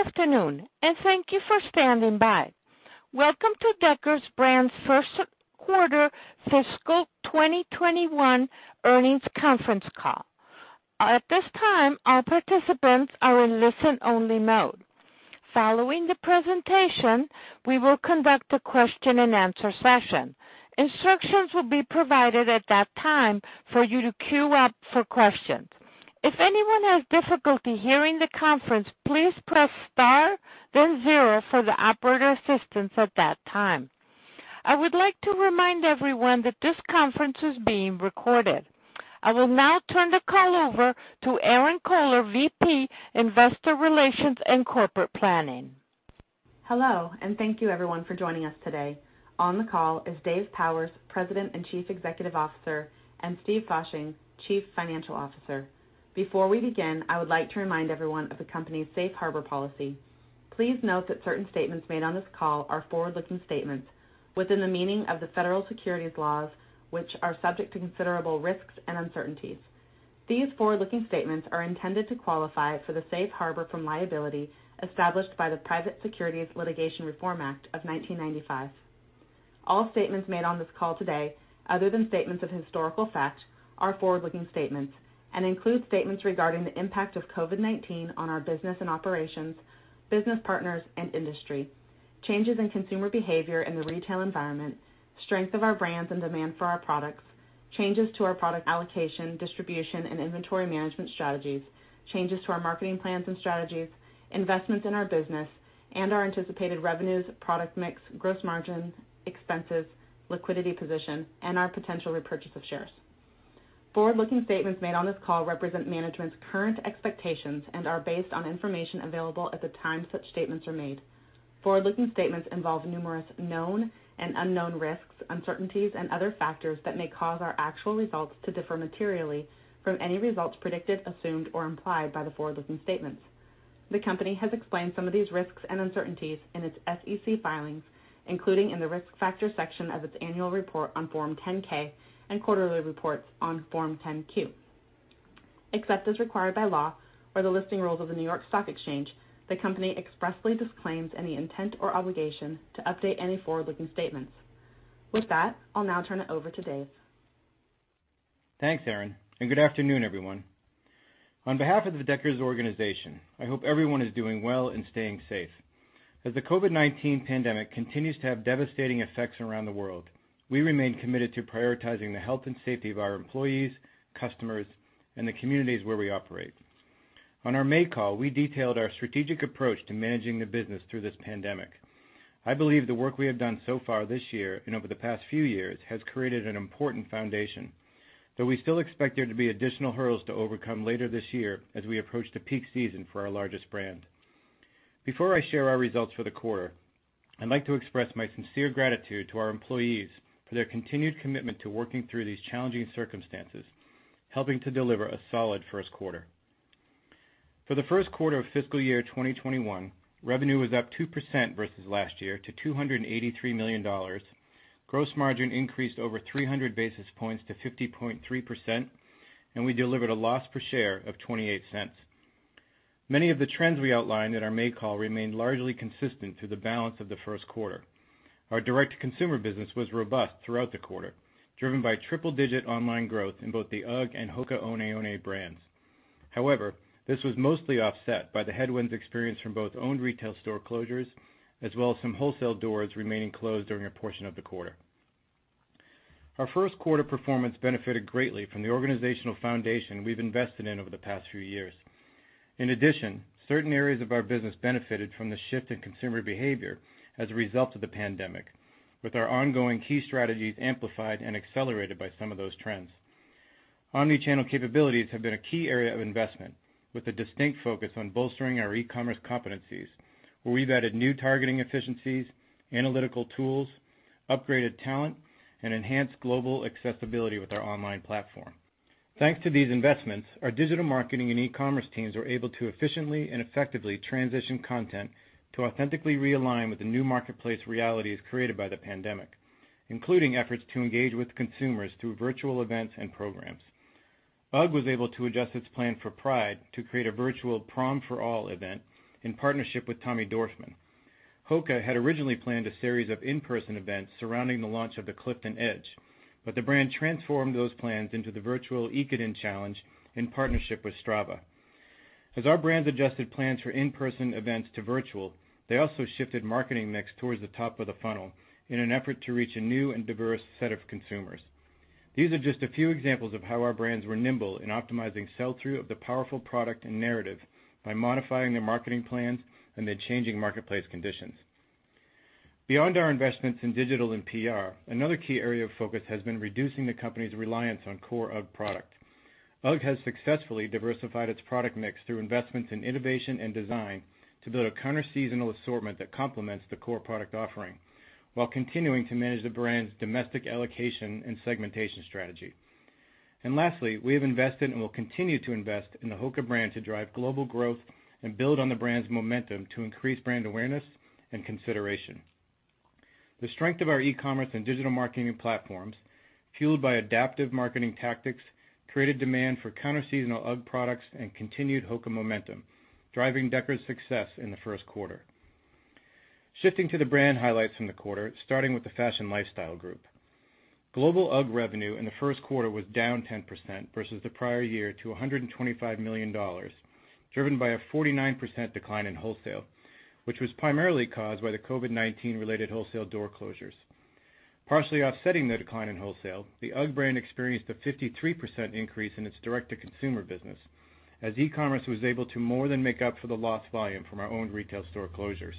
Good afternoon, thank you for standing by. Welcome to Deckers Brands' Q1 fiscal 2021 earnings conference call. At this time, all participants are in listen-only mode. Following the presentation, we will conduct a question and answer session. Instructions will be provided at that time for you to queue up for questions. If anyone has difficulty hearing the conference, please press star, zero for the operator assistance at that time. I would like to remind everyone that this conference is being recorded. I will now turn the call over to Erinn Kohler, VP, Investor Relations and Corporate Planning. Hello, and thank you everyone for joining us today. On the call is Dave Powers, President and Chief Executive Officer, and Steven Fasching, Chief Financial Officer. Before we begin, I would like to remind everyone of the company's safe harbor policy. Please note that certain statements made on this call are forward-looking statements within the meaning of the federal securities laws, which are subject to considerable risks and uncertainties. These forward-looking statements are intended to qualify for the safe harbor from liability established by the Private Securities Litigation Reform Act of 1995. All statements made on this call today, other than statements of historical fact, are forward-looking statements and include statements regarding the impact of COVID-19 on our business and operations, business partners and industry, changes in consumer behavior and the retail environment, strength of our brands and demand for our products, changes to our product allocation, distribution, and inventory management strategies, changes to our marketing plans and strategies, investments in our business, and our anticipated revenues, product mix, gross margin, expenses, liquidity position, and our potential repurchase of shares. Forward-looking statements made on this call represent management's current expectations and are based on information available at the time such statements are made. Forward-looking statements involve numerous known and unknown risks, uncertainties, and other factors that may cause our actual results to differ materially from any results predicted, assumed, or implied by the forward-looking statements. The company has explained some of these risks and uncertainties in its SEC filings, including in the Risk Factors section of its annual report on Form 10-K and quarterly reports on Form 10-Q. Except as required by law or the listing rules of the New York Stock Exchange, the company expressly disclaims any intent or obligation to update any forward-looking statements. With that, I'll now turn it over to Dave. Thanks, Erinn. Good afternoon, everyone. On behalf of the Deckers organization, I hope everyone is doing well and staying safe. As the COVID-19 pandemic continues to have devastating effects around the world, we remain committed to prioritizing the health and safety of our employees, customers, and the communities where we operate. On our May call, we detailed our strategic approach to managing the business through this pandemic. I believe the work we have done so far this year, and over the past few years, has created an important foundation, though we still expect there to be additional hurdles to overcome later this year as we approach the peak season for our largest brand. Before I share our results for the quarter, I'd like to express my sincere gratitude to our employees for their continued commitment to working through these challenging circumstances, helping to deliver a solid Q1. For the Q1 of FY 2021, revenue was up 2% versus last year to $283 million. Gross margin increased over 300 basis points to 50.3%, and we delivered a loss per share of $0.28. Many of the trends we outlined at our May call remained largely consistent through the balance of Q1. Our direct-to-consumer business was robust throughout the quarter, driven by triple-digit online growth in both the UGG and HOKA ONE ONE brands. However, this was mostly offset by the headwinds experienced from both owned retail store closures, as well as some wholesale doors remaining closed during a portion of the quarter. Our Q1 performance benefited greatly from the organizational foundation we've invested in over the past few years. In addition, certain areas of our business benefited from the shift in consumer behavior as a result of the pandemic, with our ongoing key strategies amplified and accelerated by some of those trends. Omnichannel capabilities have been a key area of investment, with a distinct focus on bolstering our e-commerce competencies, where we've added new targeting efficiencies, analytical tools, upgraded talent, and enhanced global accessibility with our online platform. Thanks to these investments, our digital marketing and e-commerce teams were able to efficiently and effectively transition content to authentically realign with the new marketplace realities created by the pandemic, including efforts to engage with consumers through virtual events and programs. UGG was able to adjust its plan for Pride to create a virtual Prom For All event in partnership with Tommy Dorfman. HOKA had originally planned a series of in-person events surrounding the launch of the Clifton Edge, but the brand transformed those plans into the virtual Ekiden Challenge in partnership with Strava. As our brands adjusted plans for in-person events to virtual, they also shifted marketing mix towards the top of the funnel in an effort to reach a new and diverse set of consumers. These are just a few examples of how our brands were nimble in optimizing sell-through of the powerful product and narrative by modifying their marketing plans amid changing marketplace conditions. Beyond our investments in digital and PR, another key area of focus has been reducing the company's reliance on core UGG product. UGG has successfully diversified its product mix through investments in innovation and design to build a counter-seasonal assortment that complements the core product offering while continuing to manage the brand's domestic allocation and segmentation strategy. Lastly, we have invested and will continue to invest in the HOKA brand to drive global growth and build on the brand's momentum to increase brand awareness and consideration. The strength of our e-commerce and digital marketing platforms, fueled by adaptive marketing tactics, created demand for counterseasonal UGG products and continued HOKA momentum, driving Deckers' success in the Q1. Shifting to the brand highlights from the quarter, starting with the Fashion Lifestyle Group. Global UGG revenue in the Q1 was down 10% versus the prior year to $125 million, driven by a 49% decline in wholesale, which was primarily caused by the COVID-19 related wholesale door closures. Partially offsetting the decline in wholesale, the UGG brand experienced a 53% increase in its direct-to-consumer business as e-commerce was able to more than make up for the lost volume from our owned retail store closures.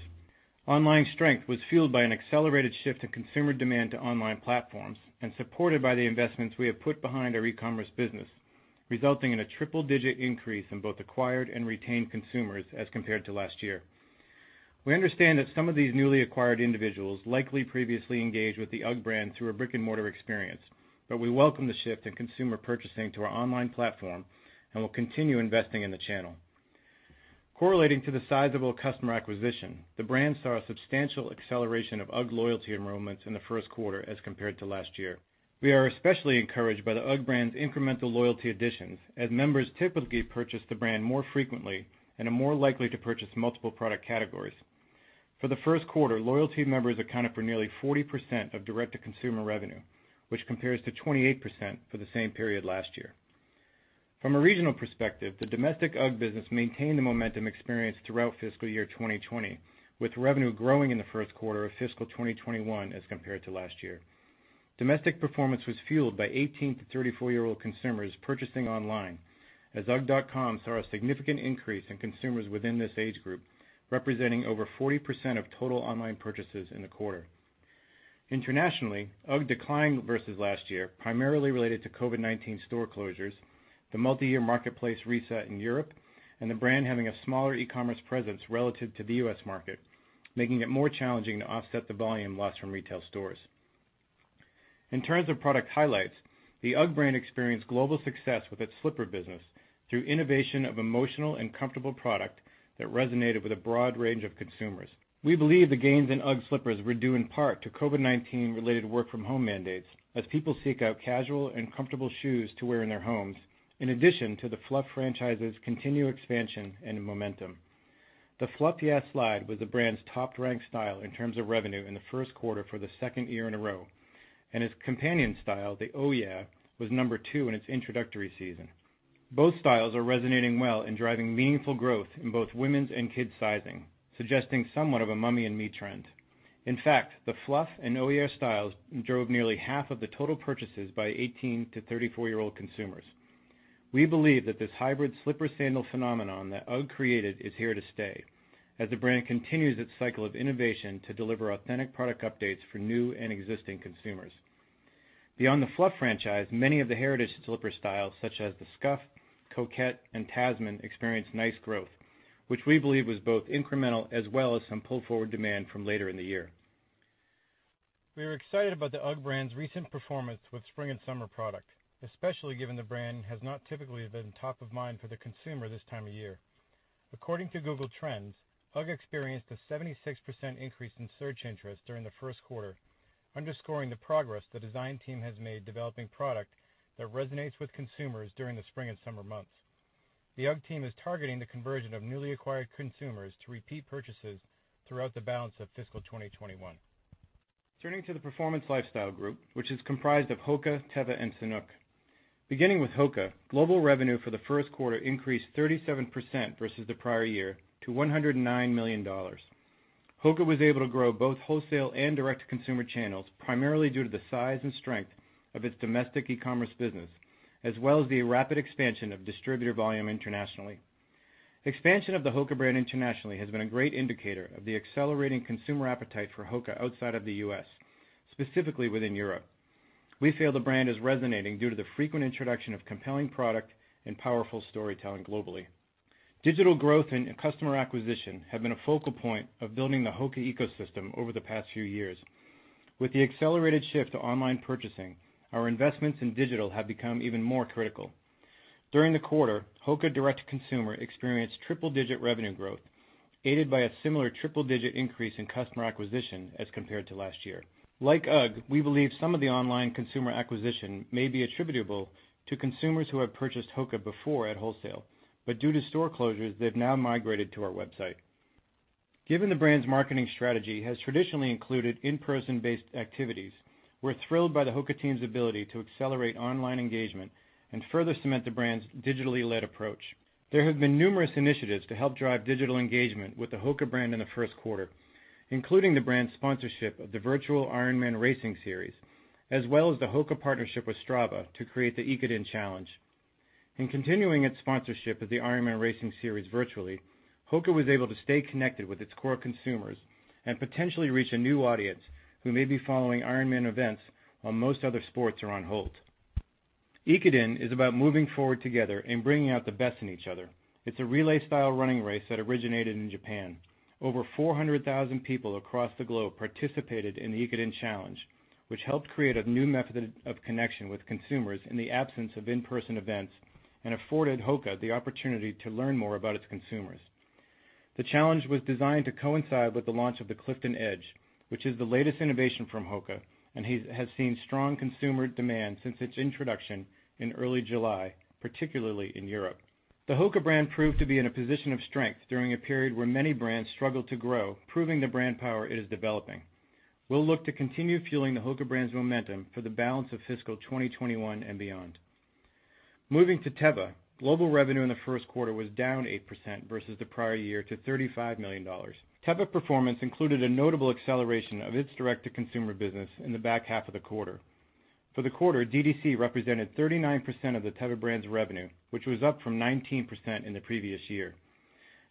Online strength was fueled by an accelerated shift in consumer demand to online platforms and supported by the investments we have put behind our e-commerce business, resulting in a triple-digit increase in both acquired and retained consumers as compared to last year. We understand that some of these newly acquired individuals likely previously engaged with the UGG brand through a brick-and-mortar experience, but we welcome the shift in consumer purchasing to our online platform and will continue investing in the channel. Correlating to the sizable customer acquisition, the brand saw a substantial acceleration of UGG loyalty enrollments in the Q1 as compared to last year. We are especially encouraged by the UGG brand's incremental loyalty additions, as members typically purchase the brand more frequently and are more likely to purchase multiple product categories. For the Q1, loyalty members accounted for nearly 40% of direct-to-consumer revenue, which compares to 28% for the same period last year. From a regional perspective, the domestic UGG business maintained the momentum experienced throughout fiscal year 2020, with revenue growing in the Q1 of fiscal 2021 as compared to last year. Domestic performance was fueled by 18-34-year-old consumers purchasing online, as ugg.com saw a significant increase in consumers within this age group, representing over 40% of total online purchases in the quarter. Internationally, UGG declined versus last year, primarily related to COVID-19 store closures, the multi-year marketplace reset in Europe, and the brand having a smaller e-commerce presence relative to the U.S. market, making it more challenging to offset the volume lost from retail stores. In terms of product highlights, the UGG brand experienced global success with its slipper business through innovation of emotional and comfortable product that resonated with a broad range of consumers. We believe the gains in UGG slippers were due in part to COVID-19 related work from home mandates, as people seek out casual and comfortable shoes to wear in their homes, in addition to the Fluff franchise's continued expansion and momentum. The Fluff Yeah Slide was the brand's top-ranked style in terms of revenue in the Q1 for the second year in a row, and its companion style, the Oh Yeah, was number two in its introductory season. Both styles are resonating well and driving meaningful growth in both women's and kids' sizing, suggesting somewhat of a mommy and me trend. In fact, the Fluff and Oh Yeah styles drove nearly half of the total purchases by 18-34-year-old consumers. We believe that this hybrid slipper-sandal phenomenon that UGG created is here to stay as the brand continues its cycle of innovation to deliver authentic product updates for new and existing consumers. Beyond the Fluff franchise, many of the heritage slipper styles such as the Scuff, Coquette, and Tasman experienced nice growth, which we believe was both incremental as well as some pull-forward demand from later in the year. We are excited about the UGG brand's recent performance with spring and summer product, especially given the brand has not typically been top of mind for the consumer this time of year. According to Google Trends, UGG experienced a 76% increase in search interest during the Q1, underscoring the progress the design team has made developing product that resonates with consumers during the spring and summer months. The UGG team is targeting the conversion of newly acquired consumers to repeat purchases throughout the balance of fiscal 2021. Turning to the Performance Lifestyle group, which is comprised of HOKA, Teva, and Sanuk. Beginning with HOKA, global revenue for the Q1 increased 37% versus the prior year to $109 million. HOKA was able to grow both wholesale and direct-to-consumer channels, primarily due to the size and strength of its domestic e-commerce business, as well as the rapid expansion of distributor volume internationally. Expansion of the HOKA brand internationally has been a great indicator of the accelerating consumer appetite for HOKA outside of the U.S., specifically within Europe. We feel the brand is resonating due to the frequent introduction of compelling product and powerful storytelling globally. Digital growth and customer acquisition have been a focal point of building the HOKA ecosystem over the past few years. With the accelerated shift to online purchasing, our investments in digital have become even more critical. During the quarter, HOKA direct-to-consumer experienced triple-digit revenue growth, aided by a similar triple-digit increase in customer acquisition as compared to last year. Like UGG, we believe some of the online consumer acquisition may be attributable to consumers who have purchased HOKA before at wholesale, but due to store closures, they've now migrated to our website. Given the brand's marketing strategy has traditionally included in-person based activities, we're thrilled by the HOKA team's ability to accelerate online engagement and further cement the brand's digitally led approach. There have been numerous initiatives to help drive digital engagement with the HOKA brand in the Q1, including the brand sponsorship of the virtual Ironman racing series, as well as the HOKA partnership with Strava to create the Ekiden Challenge. In continuing its sponsorship of the Ironman racing series virtually, HOKA was able to stay connected with its core consumers and potentially reach a new audience who may be following Ironman events while most other sports are on hold. Ekiden is about moving forward together and bringing out the best in each other. It's a relay-style running race that originated in Japan. Over 400,000 people across the globe participated in the Ekiden Challenge, which helped create a new method of connection with consumers in the absence of in-person events and afforded HOKA the opportunity to learn more about its consumers. The challenge was designed to coincide with the launch of the Clifton Edge, which is the latest innovation from HOKA, and has seen strong consumer demand since its introduction in early July, particularly in Europe. The HOKA brand proved to be in a position of strength during a period where many brands struggled to grow, proving the brand power it is developing. We'll look to continue fueling the HOKA brand's momentum for the balance of fiscal 2021 and beyond. Moving to Teva. Global revenue in the Q1 was down 8% versus the prior year to $35 million. Teva performance included a notable acceleration of its direct-to-consumer business in the back half of the quarter. For the quarter, DTC represented 39% of the Teva brand's revenue, which was up from 19% in the previous year.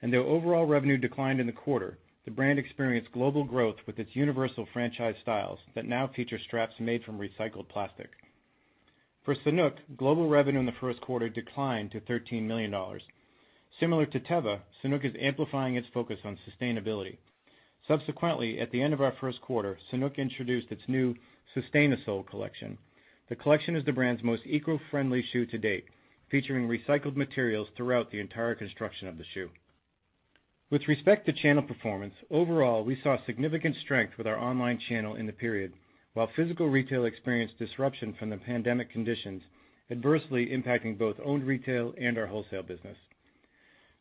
Though overall revenue declined in the quarter, the brand experienced global growth with its universal franchise styles that now feature straps made from recycled plastic. For Sanuk, global revenue in the Q1 declined to $13 million. Similar to Teva, Sanuk is amplifying its focus on sustainability. Subsequently, at the end of our Q1, Sanuk introduced its new SustainaSole collection. The collection is the brand's most eco-friendly shoe to date, featuring recycled materials throughout the entire construction of the shoe. With respect to channel performance, overall, we saw significant strength with our online channel in the period, while physical retail experienced disruption from the pandemic conditions adversely impacting both owned retail and our wholesale business.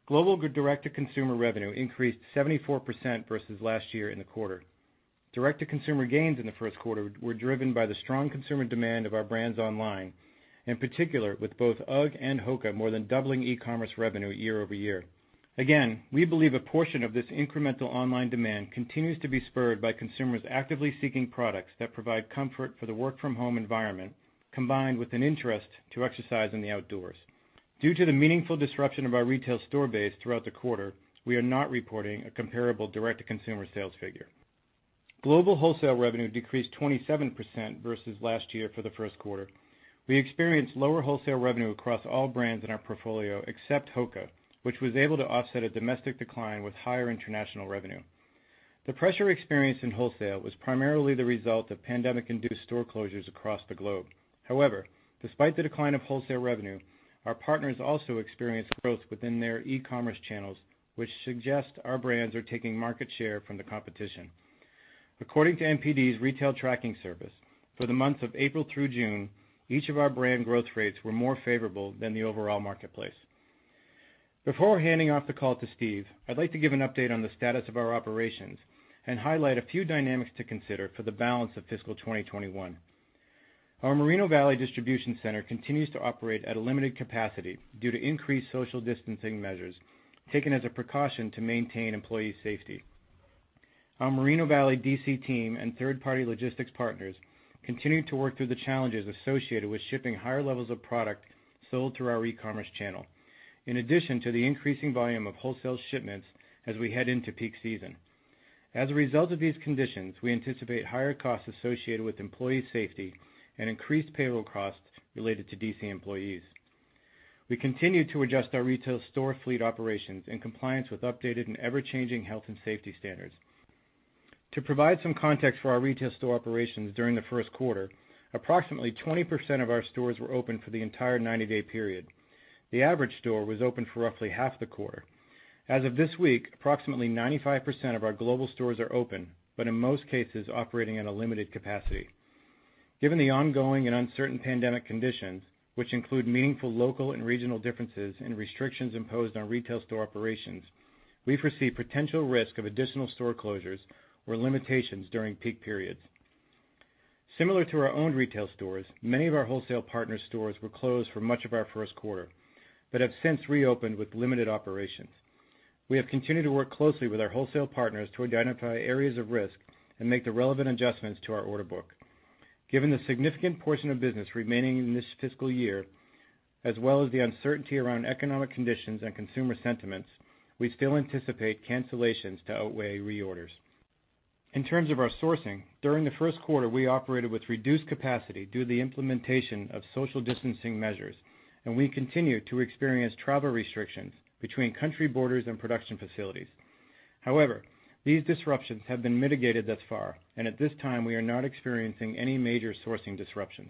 Global direct-to-consumer revenue increased 74% versus last year in the quarter. Direct-to-consumer gains in the Q1 were driven by the strong consumer demand of our brands online, in particular with both UGG and HOKA more than doubling e-commerce revenue year-over-year. We believe a portion of this incremental online demand continues to be spurred by consumers actively seeking products that provide comfort for the work-from-home environment, combined with an interest to exercise in the outdoors. Due to the meaningful disruption of our retail store base throughout the quarter, we are not reporting a comparable direct-to-consumer sales figure. Global wholesale revenue decreased 27% versus last year for the Q1. We experienced lower wholesale revenue across all brands in our portfolio except HOKA, which was able to offset a domestic decline with higher international revenue. The pressure experienced in wholesale was primarily the result of pandemic-induced store closures across the globe. However, despite the decline of wholesale revenue, our partners also experienced growth within their e-commerce channels, which suggest our brands are taking market share from the competition. According to NPD's Retail Tracking Service, for the months of April through June, each of our brand growth rates were more favorable than the overall marketplace. Before handing off the call to Steve, I'd like to give an update on the status of our operations and highlight a few dynamics to consider for the balance of fiscal 2021. Our Moreno Valley distribution center continues to operate at a limited capacity due to increased social distancing measures taken as a precaution to maintain employee safety. Our Moreno Valley DC team and third-party logistics partners continue to work through the challenges associated with shipping higher levels of product sold through our e-commerce channel, in addition to the increasing volume of wholesale shipments as we head into peak season. As a result of these conditions, we anticipate higher costs associated with employee safety and increased payroll costs related to DC employees. We continue to adjust our retail store fleet operations in compliance with updated and ever-changing health and safety standards. To provide some context for our retail store operations during the Q1, approximately 20% of our stores were open for the entire 90-day period. The average store was open for roughly half the quarter. As of this week, approximately 95% of our global stores are open, but in most cases, operating at a limited capacity. Given the ongoing and uncertain pandemic conditions, which include meaningful local and regional differences and restrictions imposed on retail store operations, we foresee potential risk of additional store closures or limitations during peak periods. Similar to our owned retail stores, many of our wholesale partner stores were closed for much of our Q1, but have since reopened with limited operations. We have continued to work closely with our wholesale partners to identify areas of risk and make the relevant adjustments to our order book. Given the significant portion of business remaining in this fiscal year, as well as the uncertainty around economic conditions and consumer sentiments, we still anticipate cancellations to outweigh reorders. In terms of our sourcing, during the Q1, we operated with reduced capacity due to the implementation of social distancing measures, and we continue to experience travel restrictions between country borders and production facilities. However, these disruptions have been mitigated thus far, and at this time, we are not experiencing any major sourcing disruptions.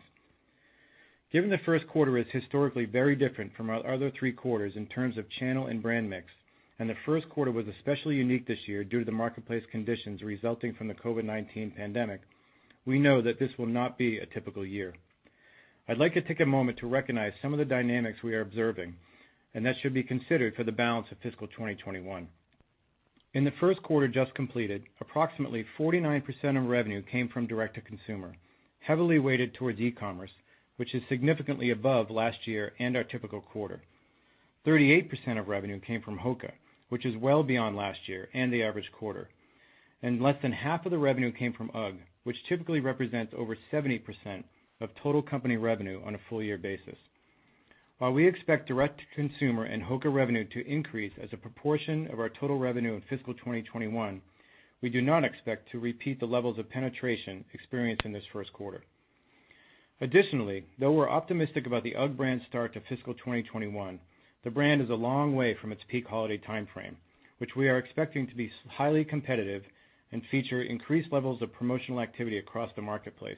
Given the Q1 is historically very different from our other three quarters in terms of channel and brand mix, and the Q1 was especially unique this year due to the marketplace conditions resulting from the COVID-19 pandemic, we know that this will not be a typical year. I'd like to take a moment to recognize some of the dynamics we are observing and that should be considered for the balance of fiscal 2021. In the Q1 just completed, approximately 49% of revenue came from Direct-to-Consumer, heavily weighted towards e-commerce, which is significantly above last year and our typical quarter. 38% of revenue came from HOKA, which is well beyond last year and the average quarter. Less than half of the revenue came from UGG, which typically represents over 70% of total company revenue on a full-year basis. While we expect Direct-to-Consumer and HOKA revenue to increase as a proportion of our total revenue in fiscal 2021, we do not expect to repeat the levels of penetration experienced in this Q1. Though we're optimistic about the UGG brand's start to fiscal 2021, the brand is a long way from its peak holiday timeframe, which we are expecting to be highly competitive and feature increased levels of promotional activity across the marketplace.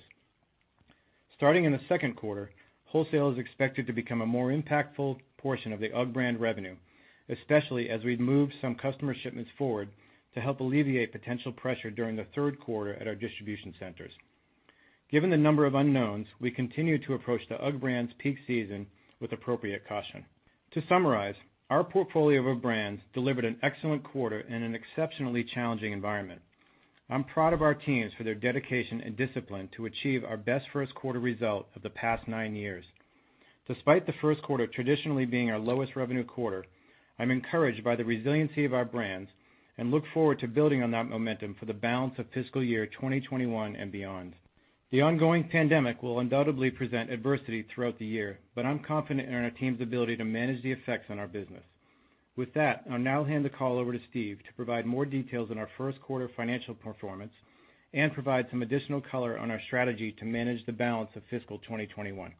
Starting in the Q2, wholesale is expected to become a more impactful portion of the UGG brand revenue, especially as we've moved some customer shipments forward to help alleviate potential pressure during the Q3 at our distribution centers. Given the number of unknowns, we continue to approach the UGG brand's peak season with appropriate caution. Our portfolio of brands delivered an excellent quarter in an exceptionally challenging environment. I'm proud of our teams for their dedication and discipline to achieve our best Q1 result of the past nine years. Despite the Q1 traditionally being our lowest revenue quarter, I'm encouraged by the resiliency of our brands and look forward to building on that momentum for the balance of fiscal year 2021 and beyond. The ongoing pandemic will undoubtedly present adversity throughout the year, but I'm confident in our team's ability to manage the effects on our business. With that, I'll now hand the call over to Steve to provide more details on our Q1 financial performance and provide some additional color on our strategy to manage the balance of fiscal 2021.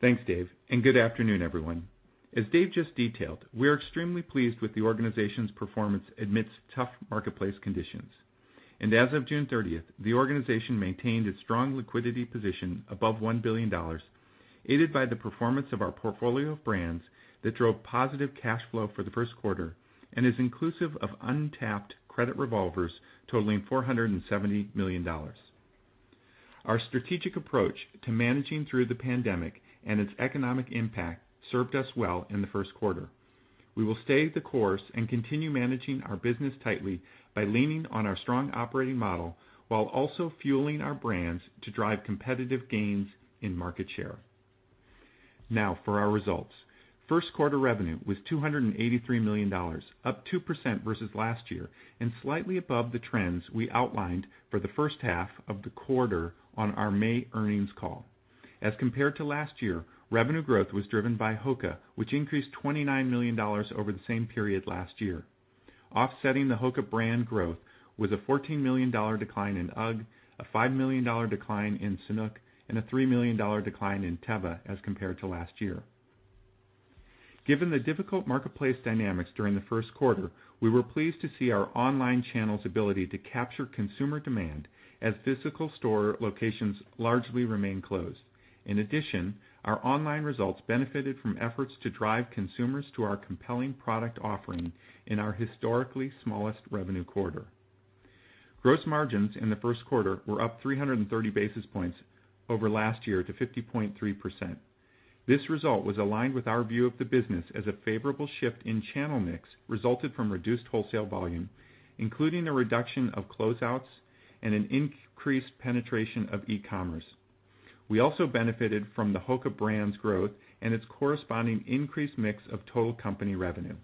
Thanks, Dave. Good afternoon, everyone. As Dave just detailed, we are extremely pleased with the organization's performance amidst tough marketplace conditions. As of June 30th, the organization maintained its strong liquidity position above $1 billion, aided by the performance of our portfolio of brands that drove positive cash flow for the Q1 and is inclusive of untapped credit revolvers totaling $470 million. Our strategic approach to managing through the pandemic and its economic impact served us well in the Q1. We will stay the course and continue managing our business tightly by leaning on our strong operating model while also fueling our brands to drive competitive gains in market share. Now for our results. Q1 revenue was $283 million, up 2% versus last year and slightly above the trends we outlined for the H1 of the quarter on our May earnings call. As compared to last year, revenue growth was driven by HOKA, which increased $29 million over the same period last year. Offsetting the HOKA brand growth was a $14 million decline in UGG, a $5 million decline in Sanuk, and a $3 million decline in Teva as compared to last year. Given the difficult marketplace dynamics during the Q1, we were pleased to see our online channel's ability to capture consumer demand as physical store locations largely remain closed. In addition, our online results benefited from efforts to drive consumers to our compelling product offering in our historically smallest revenue quarter. Gross margins in the Q1 were up 330 basis points over last year to 50.3%. This result was aligned with our view of the business as a favorable shift in channel mix resulted from reduced wholesale volume, including a reduction of closeouts and an increased penetration of e-commerce. We also benefited from the HOKA brand's growth and its corresponding increased mix of total company revenue.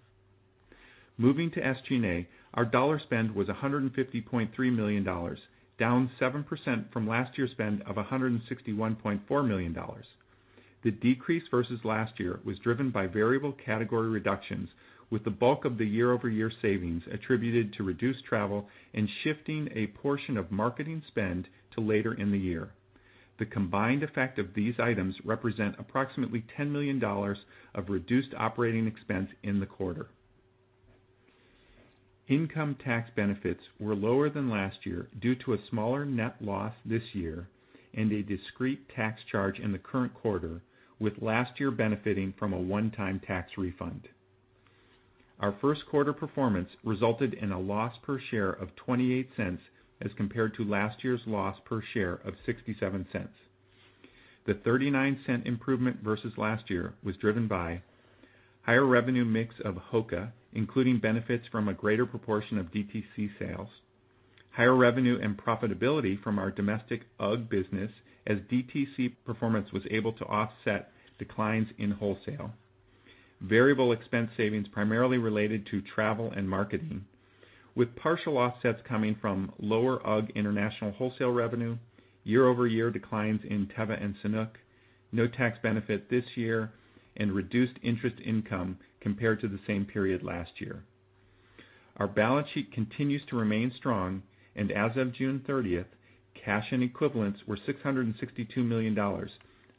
Moving to SG&A, our dollar spend was $150.3 million, down 7% from last year's spend of $161.4 million. The decrease versus last year was driven by variable category reductions, with the bulk of the year-over-year savings attributed to reduced travel and shifting a portion of marketing spend to later in the year. The combined effect of these items represent approximately $10 million of reduced operating expense in the quarter. Income tax benefits were lower than last year due to a smaller net loss this year and a discrete tax charge in the current quarter, with last year benefiting from a one-time tax refund. Our Q1 performance resulted in a loss per share of $0.28 as compared to last year's loss per share of $0.67. The $0.39 improvement versus last year was driven by higher revenue mix of HOKA, including benefits from a greater proportion of DTC sales. Higher revenue and profitability from our domestic UGG business as DTC performance was able to offset declines in wholesale. Variable expense savings primarily related to travel and marketing with partial offsets coming from lower UGG international wholesale revenue, year-over-year declines in Teva and Sanuk, no tax benefit this year, and reduced interest income compared to the same period last year. Our balance sheet continues to remain strong, and as of June 30th, cash and equivalents were $662 million,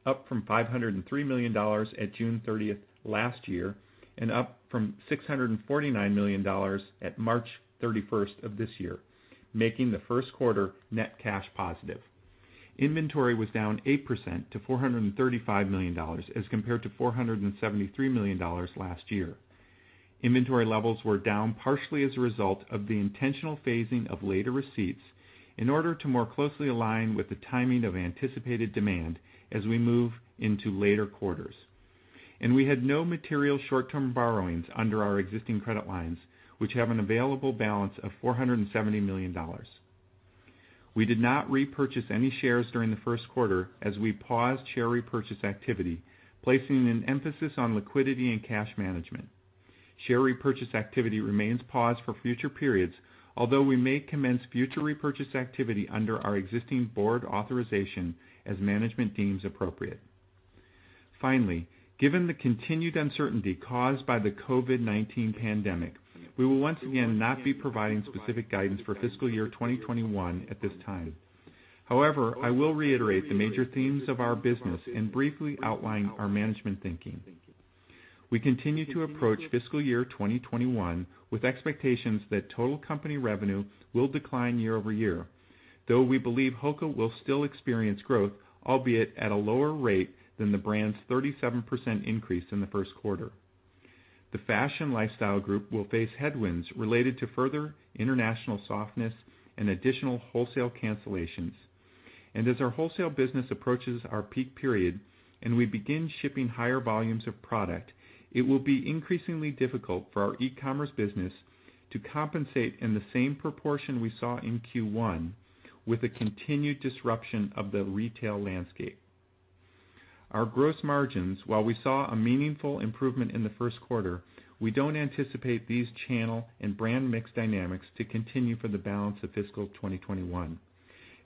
up from $503 million at June 30th last year, and up from $649 million at March 31st of this year, making the Q1 net cash positive. Inventory was down 8% to $435 million as compared to $473 million last year. Inventory levels were down partially as a result of the intentional phasing of later receipts in order to more closely align with the timing of anticipated demand as we move into later quarters. We had no material short-term borrowings under our existing credit lines, which have an available balance of $470 million. We did not repurchase any shares during the Q1 as we paused share repurchase activity, placing an emphasis on liquidity and cash management. Share repurchase activity remains paused for future periods, although we may commence future repurchase activity under our existing board authorization as management deems appropriate. Given the continued uncertainty caused by the COVID-19 pandemic, we will once again not be providing specific guidance for fiscal year 2021 at this time. However, I will reiterate the major themes of our business and briefly outline our management thinking. We continue to approach fiscal year 2021 with expectations that total company revenue will decline year-over-year, though we believe HOKA will still experience growth, albeit at a lower rate than the brand's 37% increase in the Q1. The Fashion Lifestyle Group will face headwinds related to further international softness and additional wholesale cancellations. As our wholesale business approaches our peak period and we begin shipping higher volumes of product, it will be increasingly difficult for our e-commerce business to compensate in the same proportion we saw in Q1 with the continued disruption of the retail landscape. Our gross margins, while we saw a meaningful improvement in the Q1, we don't anticipate these channel and brand mix dynamics to continue for the balance of fiscal 2021,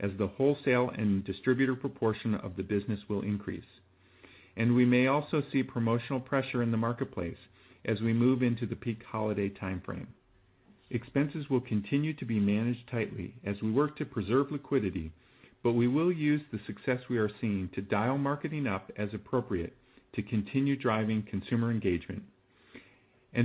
as the wholesale and distributor proportion of the business will increase. We may also see promotional pressure in the marketplace as we move into the peak holiday timeframe. Expenses will continue to be managed tightly as we work to preserve liquidity, but we will use the success we are seeing to dial marketing up as appropriate to continue driving consumer engagement.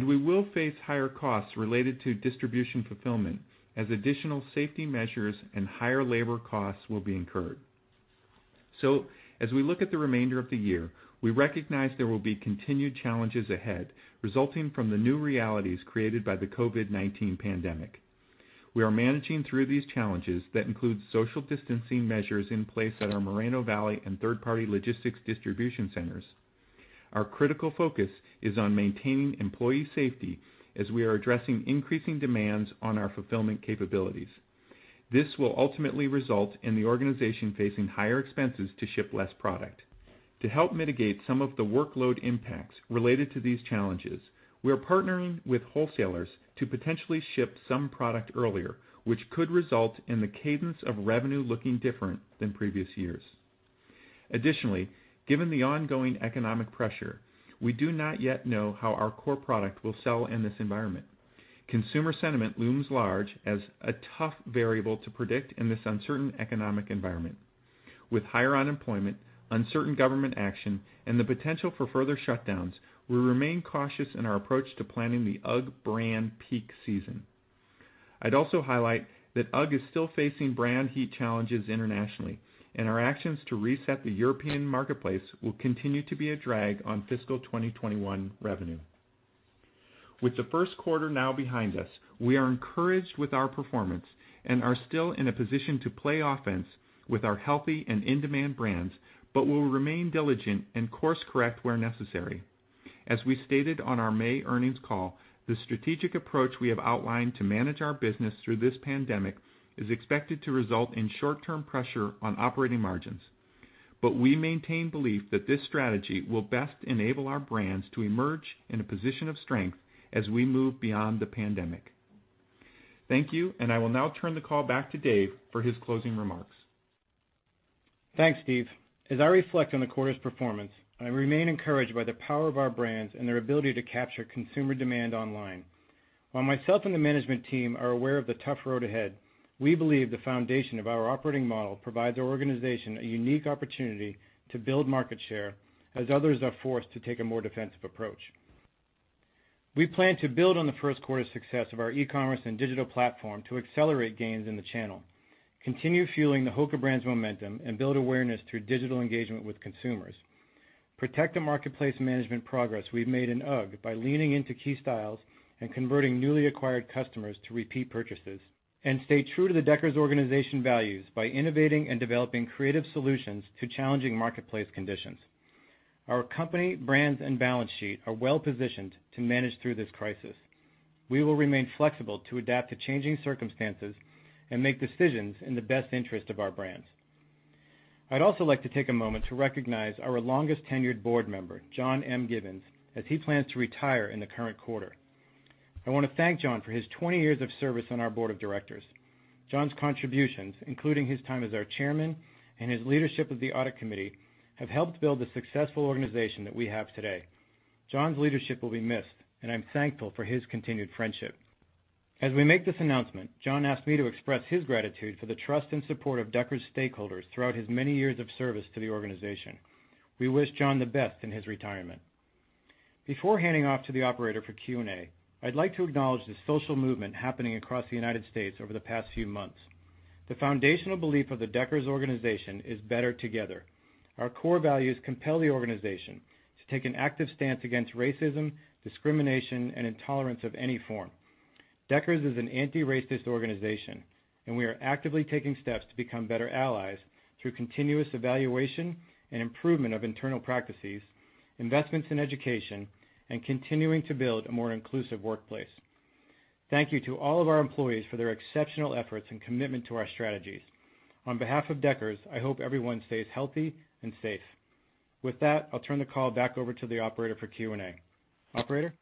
We will face higher costs related to distribution fulfillment as additional safety measures and higher labor costs will be incurred. As we look at the remainder of the year, we recognize there will be continued challenges ahead resulting from the new realities created by the COVID-19 pandemic. We are managing through these challenges that include social distancing measures in place at our Moreno Valley and third-party logistics distribution centers. Our critical focus is on maintaining employee safety as we are addressing increasing demands on our fulfillment capabilities. This will ultimately result in the organization facing higher expenses to ship less product. To help mitigate some of the workload impacts related to these challenges, we are partnering with wholesalers to potentially ship some product earlier, which could result in the cadence of revenue looking different than previous years. Additionally, given the ongoing economic pressure, we do not yet know how our core product will sell in this environment. Consumer sentiment looms large as a tough variable to predict in this uncertain economic environment. With higher unemployment, uncertain government action, and the potential for further shutdowns, we remain cautious in our approach to planning the UGG brand peak season. I'd also highlight that UGG is still facing brand heat challenges internationally, and our actions to reset the European marketplace will continue to be a drag on fiscal 2021 revenue. With the Q1 now behind us, we are encouraged with our performance and are still in a position to play offense with our healthy and in-demand brands, but will remain diligent and course correct where necessary. As we stated on our May earnings call, the strategic approach we have outlined to manage our business through this pandemic is expected to result in short-term pressure on operating margins. We maintain belief that this strategy will best enable our brands to emerge in a position of strength as we move beyond the pandemic. Thank you. I will now turn the call back to Dave for his closing remarks. Thanks, Steve. As I reflect on the quarter's performance, I remain encouraged by the power of our brands and their ability to capture consumer demand online. While myself and the management team are aware of the tough road ahead, we believe the foundation of our operating model provides our organization a unique opportunity to build market share, as others are forced to take a more defensive approach. We plan to build on the Q1 success of our e-commerce and digital platform to accelerate gains in the channel, continue fueling the HOKA brand's momentum, and build awareness through digital engagement with consumers. Protect the marketplace management progress we've made in UGG by leaning into key styles and converting newly acquired customers to repeat purchases, and stay true to the Deckers organization values by innovating and developing creative solutions to challenging marketplace conditions. Our company, brands, and balance sheet are well-positioned to manage through this crisis. We will remain flexible to adapt to changing circumstances and make decisions in the best interest of our brands. I'd also like to take a moment to recognize our longest-tenured board member, John M. Gibbons, as he plans to retire in the current quarter. I want to thank John for his 20 years of service on our board of directors. John's contributions, including his time as our chairman and his leadership of the audit committee, have helped build the successful organization that we have today. John's leadership will be missed, and I'm thankful for his continued friendship. As we make this announcement, John asked me to express his gratitude for the trust and support of Deckers stakeholders throughout his many years of service to the organization. We wish John the best in his retirement. Before handing off to the operator for Q&A, I'd like to acknowledge the social movement happening across the United States over the past few months. The foundational belief of the Deckers organization is better together. Our core values compel the organization to take an active stance against racism, discrimination, and intolerance of any form. Deckers is an anti-racist organization, and we are actively taking steps to become better allies through continuous evaluation and improvement of internal practices, investments in education, and continuing to build a more inclusive workplace. Thank you to all of our employees for their exceptional efforts and commitment to our strategies. On behalf of Deckers, I hope everyone stays healthy and safe. With that, I'll turn the call back over to the operator for Q&A. Operator?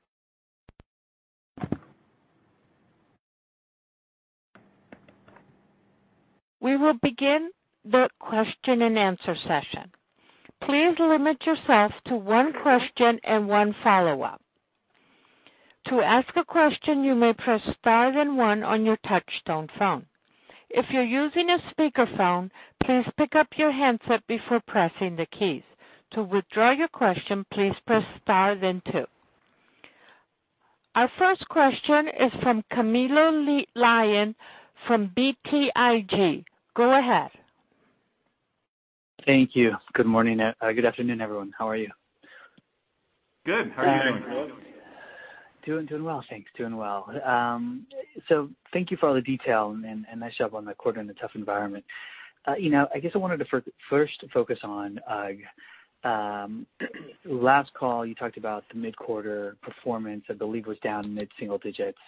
We will begin the question and answer session. Please limit yourself to one question and one follow-up. To ask a question, you may press star then one on your touch-tone phone. If you're using a speakerphone, please pick up your handset before pressing the keys. To withdraw your question, please press star then two. Our first question is from Camilo Lyon from BTIG. Go ahead. Thank you. Good morning, good afternoon, everyone. How are you? Good. How are you doing, Camilo? Doing well, thanks. Doing well. Thank you for all the detail and nice job on the quarter in a tough environment. I guess I wanted to first focus on last call, you talked about the mid-quarter performance, I believe was down mid-single digits.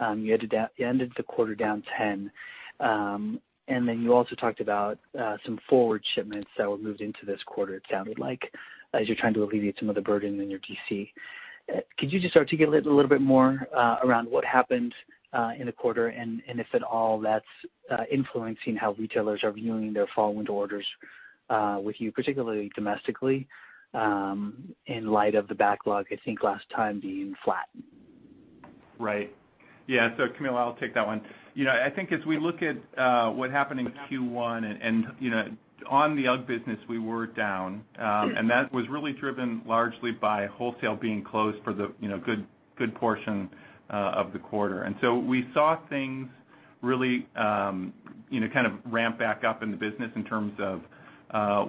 You ended the quarter down 10. Then you also talked about some forward shipments that were moved into this quarter, it sounded like, as you're trying to alleviate some of the burden in your DC. Could you just articulate a little bit more around what happened in the quarter and if at all that's influencing how retailers are viewing their fall orders with you, particularly domestically, in light of the backlog, I think last time being flat? Right. Yeah. Camilo, I'll take that one. I think as we look at what happened in Q1, and on the UGG business, we were down. That was really driven largely by wholesale being closed for the good portion of the quarter. We saw things really ramp back up in the business in terms of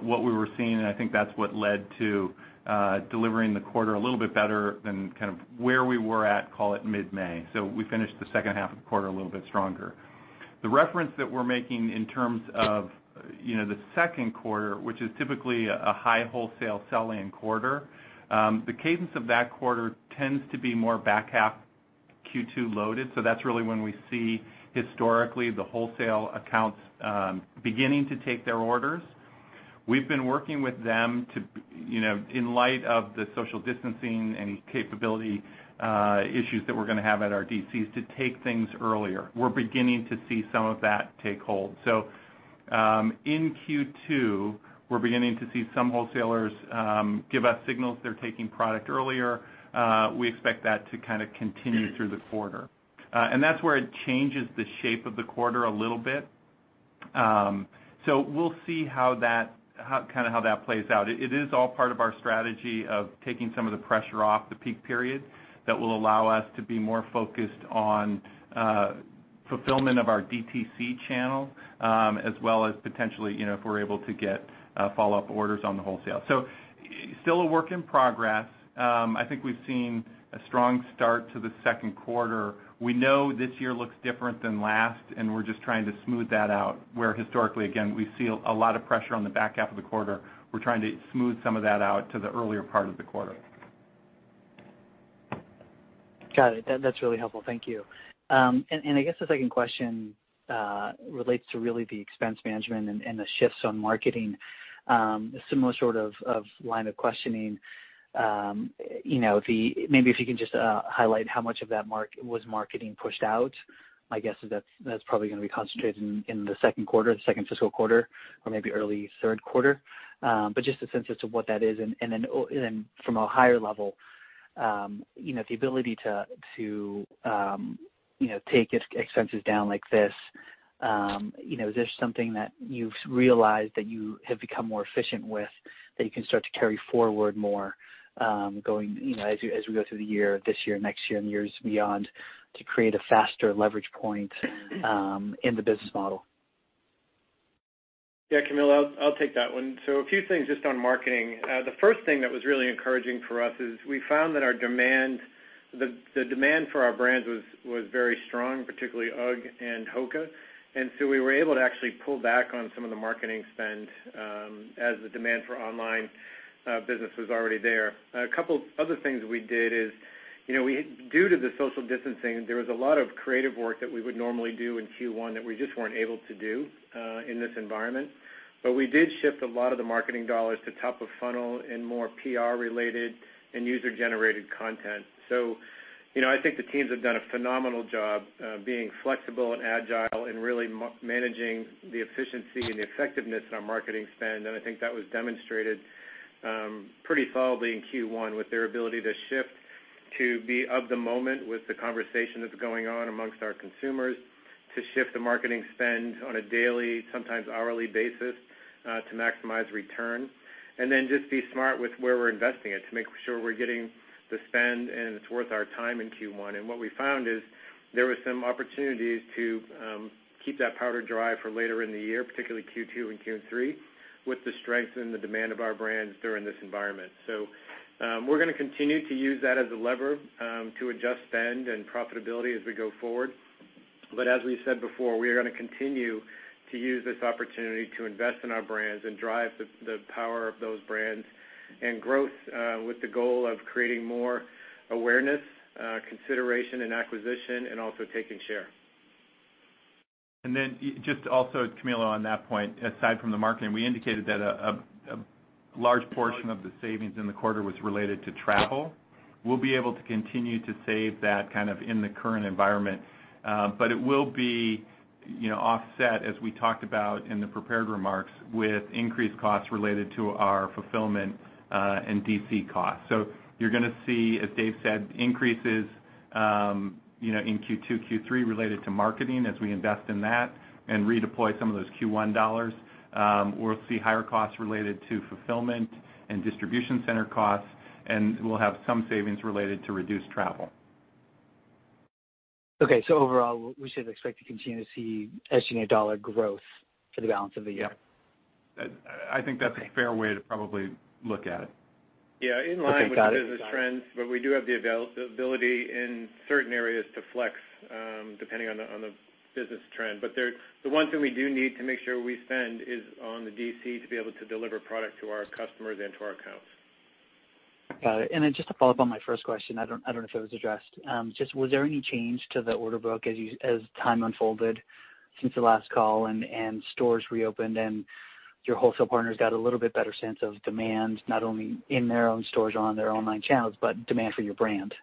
what we were seeing, and I think that's what led to delivering the quarter a little bit better than where we were at, call it mid-May. We finished the H2 of the quarter a little bit stronger. The reference that we're making in terms of the Q2, which is typically a high wholesale sell-in quarter. The cadence of that quarter tends to be more back half Q2 loaded. That's really when we see historically the wholesale accounts beginning to take their orders. We've been working with them in light of the social distancing and capability issues that we're going to have at our DCs to take things earlier. We're beginning to see some of that take hold. In Q2, we're beginning to see some wholesalers give us signals they're taking product earlier. We expect that to continue through the quarter. That's where it changes the shape of the quarter a little bit. We'll see how that plays out. It is all part of our strategy of taking some of the pressure off the peak period that will allow us to be more focused on fulfillment of our DTC channel, as well as potentially if we're able to get follow-up orders on the wholesale. Still a work in progress. I think we've seen a strong start to the Q2. We know this year looks different than last, and we're just trying to smooth that out where historically, again, we see a lot of pressure on the back half of the quarter. We're trying to smooth some of that out to the earlier part of the quarter. Got it. That's really helpful. Thank you. I guess the second question relates to really the expense management and the shifts on marketing. Similar sort of line of questioning. Maybe if you can just highlight how much of that was marketing pushed out. My guess is that's probably going to be concentrated in the Q2, the second fiscal quarter, or maybe early Q3. Just a sense as to what that is. Then from a higher level, the ability to take expenses down like this, is this something that you've realized that you have become more efficient with, that you can start to carry forward more as we go through the year, this year, next year, and years beyond, to create a faster leverage point in the business model? Yeah, Camilo, I'll take that one. A few things just on marketing. The first thing that was really encouraging for us is we found that the demand for our brands was very strong, particularly UGG and HOKA. We were able to actually pull back on some of the marketing spend as the demand for online business was already there. A couple other things we did is, due to the social distancing, there was a lot of creative work that we would normally do in Q1 that we just weren't able to do in this environment. We did shift a lot of the marketing dollars to top of funnel and more PR related and user-generated content. I think the teams have done a phenomenal job being flexible and agile and really managing the efficiency and the effectiveness in our marketing spend. I think that was demonstrated pretty solidly in Q1 with their ability to shift to be of the moment with the conversation that's going on amongst our consumers, to shift the marketing spend on a daily, sometimes hourly basis to maximize return. Just be smart with where we're investing it to make sure we're getting the spend and it's worth our time in Q1. What we found is there were some opportunities to keep that powder dry for later in the year, particularly Q2 and Q3, with the strength and the demand of our brands during this environment. We're going to continue to use that as a lever to adjust spend and profitability as we go forward. As we said before, we are going to continue to use this opportunity to invest in our brands and drive the power of those brands and growth with the goal of creating more awareness, consideration, and acquisition, and also taking share. Then just also, Camilo, on that point, aside from the marketing, we indicated that a large portion of the savings in the quarter was related to travel. We'll be able to continue to save that kind of in the current environment. It will be offset, as we talked about in the prepared remarks, with increased costs related to our fulfillment and DC costs. You're going to see, as Dave said, increases in Q2, Q3 related to marketing as we invest in that and redeploy some of those Q1 dollars. We'll see higher costs related to fulfillment and distribution center costs, and we'll have some savings related to reduced travel. Overall, we should expect to continue to see SG&A dollar growth for the balance of the year. Yeah. I think that's a fair way to probably look at it. In line with the business trends, we do have the ability in certain areas to flex, depending on the business trend. The one thing we do need to make sure we spend is on the DC to be able to deliver product to our customers and to our accounts. Got it. Just to follow up on my first question, I don't know if it was addressed. Just was there any change to the order book as time unfolded since the last call and stores reopened and your wholesale partners got a little bit better sense of demand, not only in their own stores or on their online channels, but demand for your brand?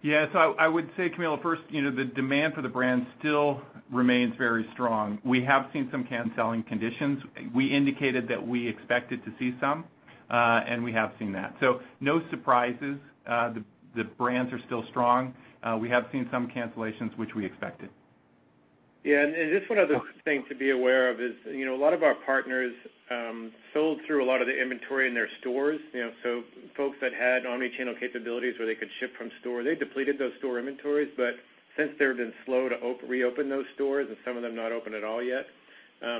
Yeah. I would say, Camilo, first, the demand for the brand still remains very strong. We have seen some cancelling conditions. We indicated that we expected to see some, and we have seen that. No surprises. The brands are still strong. We have seen some cancellations, which we expected. Yeah. Just one other thing to be aware of is, a lot of our partners sold through a lot of the inventory in their stores. Folks that had omni-channel capabilities where they could ship from store, they depleted those store inventories. Since they've been slow to reopen those stores and some of them not open at all yet,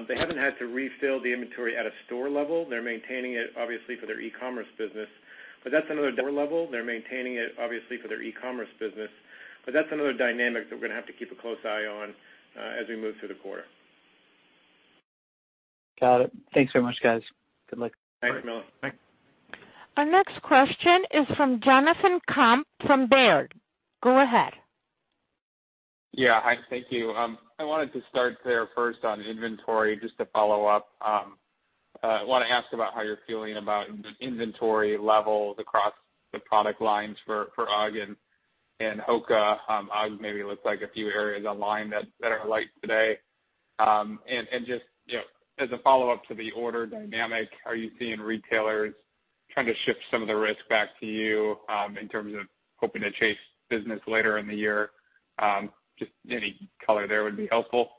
they haven't had to refill the inventory at a store level. They're maintaining it, obviously, for their e-commerce business. That's another dynamic that we're going to have to keep a close eye on as we move through the quarter. Got it. Thanks so much, guys. Good luck. Thanks, Camilo. Thanks. Our next question is from Jonathan Komp from Baird. Go ahead. Hi, thank you. I wanted to start there first on inventory, just to follow up. I want to ask about how you're feeling about inventory levels across the product lines for UGG and HOKA. UGG maybe looks like a few areas online that are light today. Just as a follow-up to the order dynamic, are you seeing retailers trying to shift some of the risk back to you in terms of hoping to chase business later in the year? Just any color there would be helpful.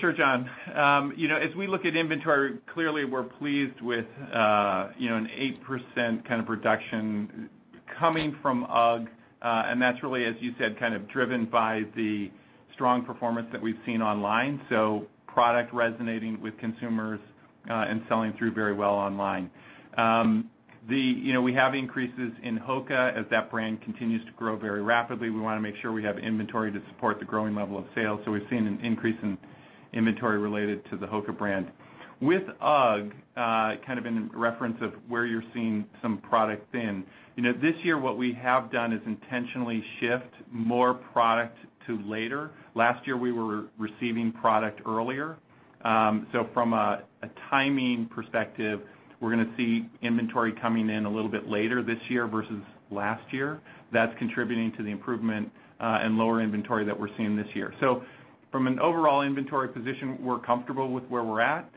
Sure, Jon. As we look at inventory, clearly we're pleased with an 8% kind of reduction coming from UGG. That's really, as you said, kind of driven by the strong performance that we've seen online. Product resonating with consumers and selling through very well online. We have increases in HOKA as that brand continues to grow very rapidly. We want to make sure we have inventory to support the growing level of sales. We've seen an increase in inventory related to the HOKA brand. With UGG, kind of in reference of where you're seeing some product in, this year what we have done is intentionally shift more product to later. Last year, we were receiving product earlier. From a timing perspective, we're going to see inventory coming in a little bit later this year versus last year. That's contributing to the improvement and lower inventory that we're seeing this year. From an overall inventory position, we're comfortable with where we're at.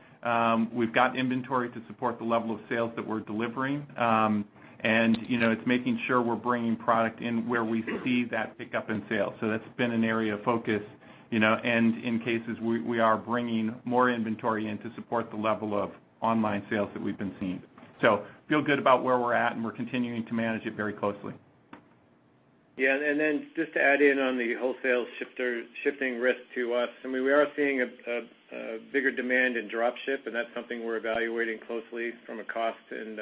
We've got inventory to support the level of sales that we're delivering. It's making sure we're bringing product in where we see that pickup in sales. That's been an area of focus. In cases, we are bringing more inventory in to support the level of online sales that we've been seeing. Feel good about where we're at, and we're continuing to manage it very closely. Just to add in on the wholesale shifting risk to us, I mean, we are seeing a bigger demand in drop ship. That's something we're evaluating closely from a cost and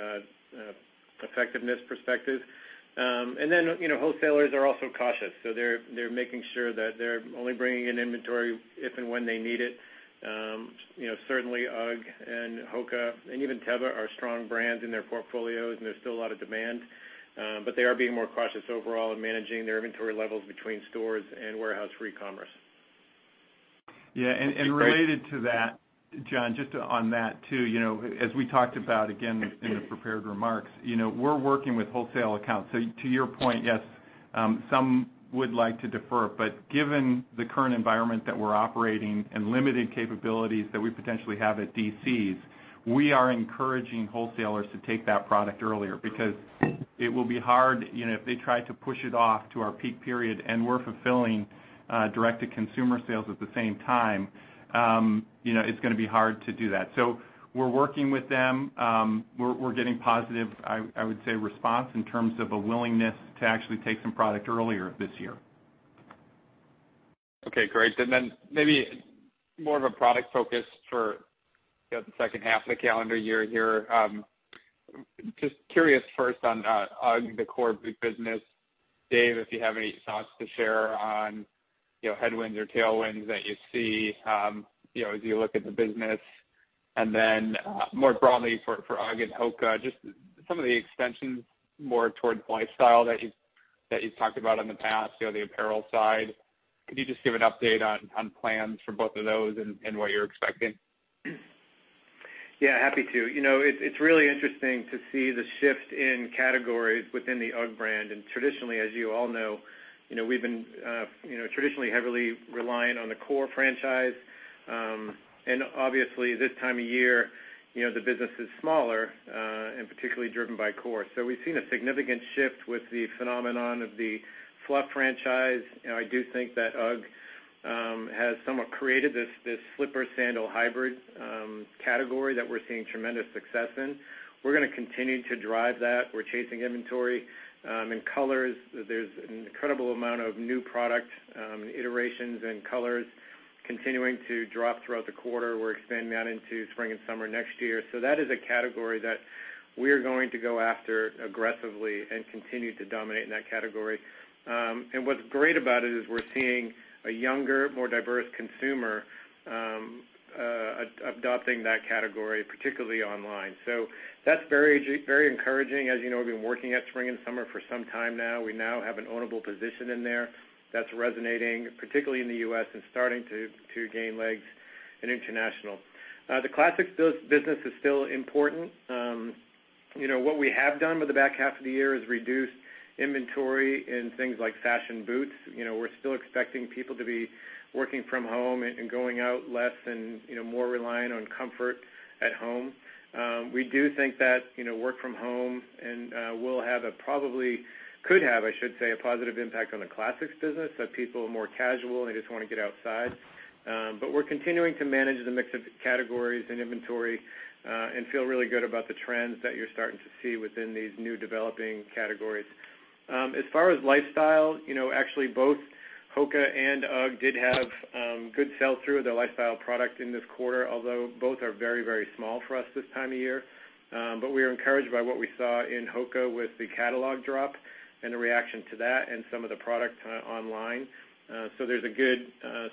effectiveness perspective. Wholesalers are also cautious. They're making sure that they're only bringing in inventory if and when they need it. Certainly UGG and HOKA and even Teva are strong brands in their portfolios. There's still a lot of demand. They are being more cautious overall in managing their inventory levels between stores and warehouse for e-commerce. Yeah. Related to that, Jon, just on that too, as we talked about again in the prepared remarks, we're working with wholesale accounts. To your point, yes, some would like to defer, but given the current environment that we're operating and limited capabilities that we potentially have at DCs, we are encouraging wholesalers to take that product earlier because it will be hard if they try to push it off to our peak period and we're fulfilling direct-to-consumer sales at the same time. It's going to be hard to do that. We're working with them. We're getting positive, I would say, response in terms of a willingness to actually take some product earlier this year. Okay, great. Maybe more of a product focus for the H2 of the calendar year here. Just curious first on UGG, the core boot business, Dave, if you have any thoughts to share on headwinds or tailwinds that you see as you look at the business. More broadly for UGG and HOKA, just some of the extensions more towards lifestyle that you've talked about in the past, the apparel side. Could you just give an update on plans for both of those and what you're expecting? Happy to. It's really interesting to see the shift in categories within the UGG brand. Traditionally, as you all know we've been traditionally heavily reliant on the core franchise. Obviously this time of year, the business is smaller, and particularly driven by core. We've seen a significant shift with the phenomenon of the Fluff franchise. I do think that UGG has somewhat created this slipper sandal hybrid category that we're seeing tremendous success in. We're going to continue to drive that. We're chasing inventory. In colors, there's an incredible amount of new product iterations and colors continuing to drop throughout the quarter. We're expanding that into spring and summer next year. That is a category that we are going to go after aggressively and continue to dominate in that category. What's great about it is we're seeing a younger, more diverse consumer adopting that category, particularly online. That's very encouraging. As you know, we've been working at spring and summer for some time now. We now have an ownable position in there that's resonating particularly in the U.S. and starting to gain legs in international. The classics business is still important. What we have done with the back half of the year is reduce inventory in things like fashion boots. We're still expecting people to be working from home and going out less and more reliant on comfort at home. We do think that work from home will have a could have, I should say, a positive impact on the classics business, that people are more casual and they just want to get outside. We're continuing to manage the mix of categories and inventory, and feel really good about the trends that you're starting to see within these new developing categories. As far as lifestyle, actually both HOKA and UGG did have good sell-through of their lifestyle product in this quarter, although both are very small for us this time of year. We are encouraged by what we saw in HOKA with the catalog drop and the reaction to that and some of the product online. There's good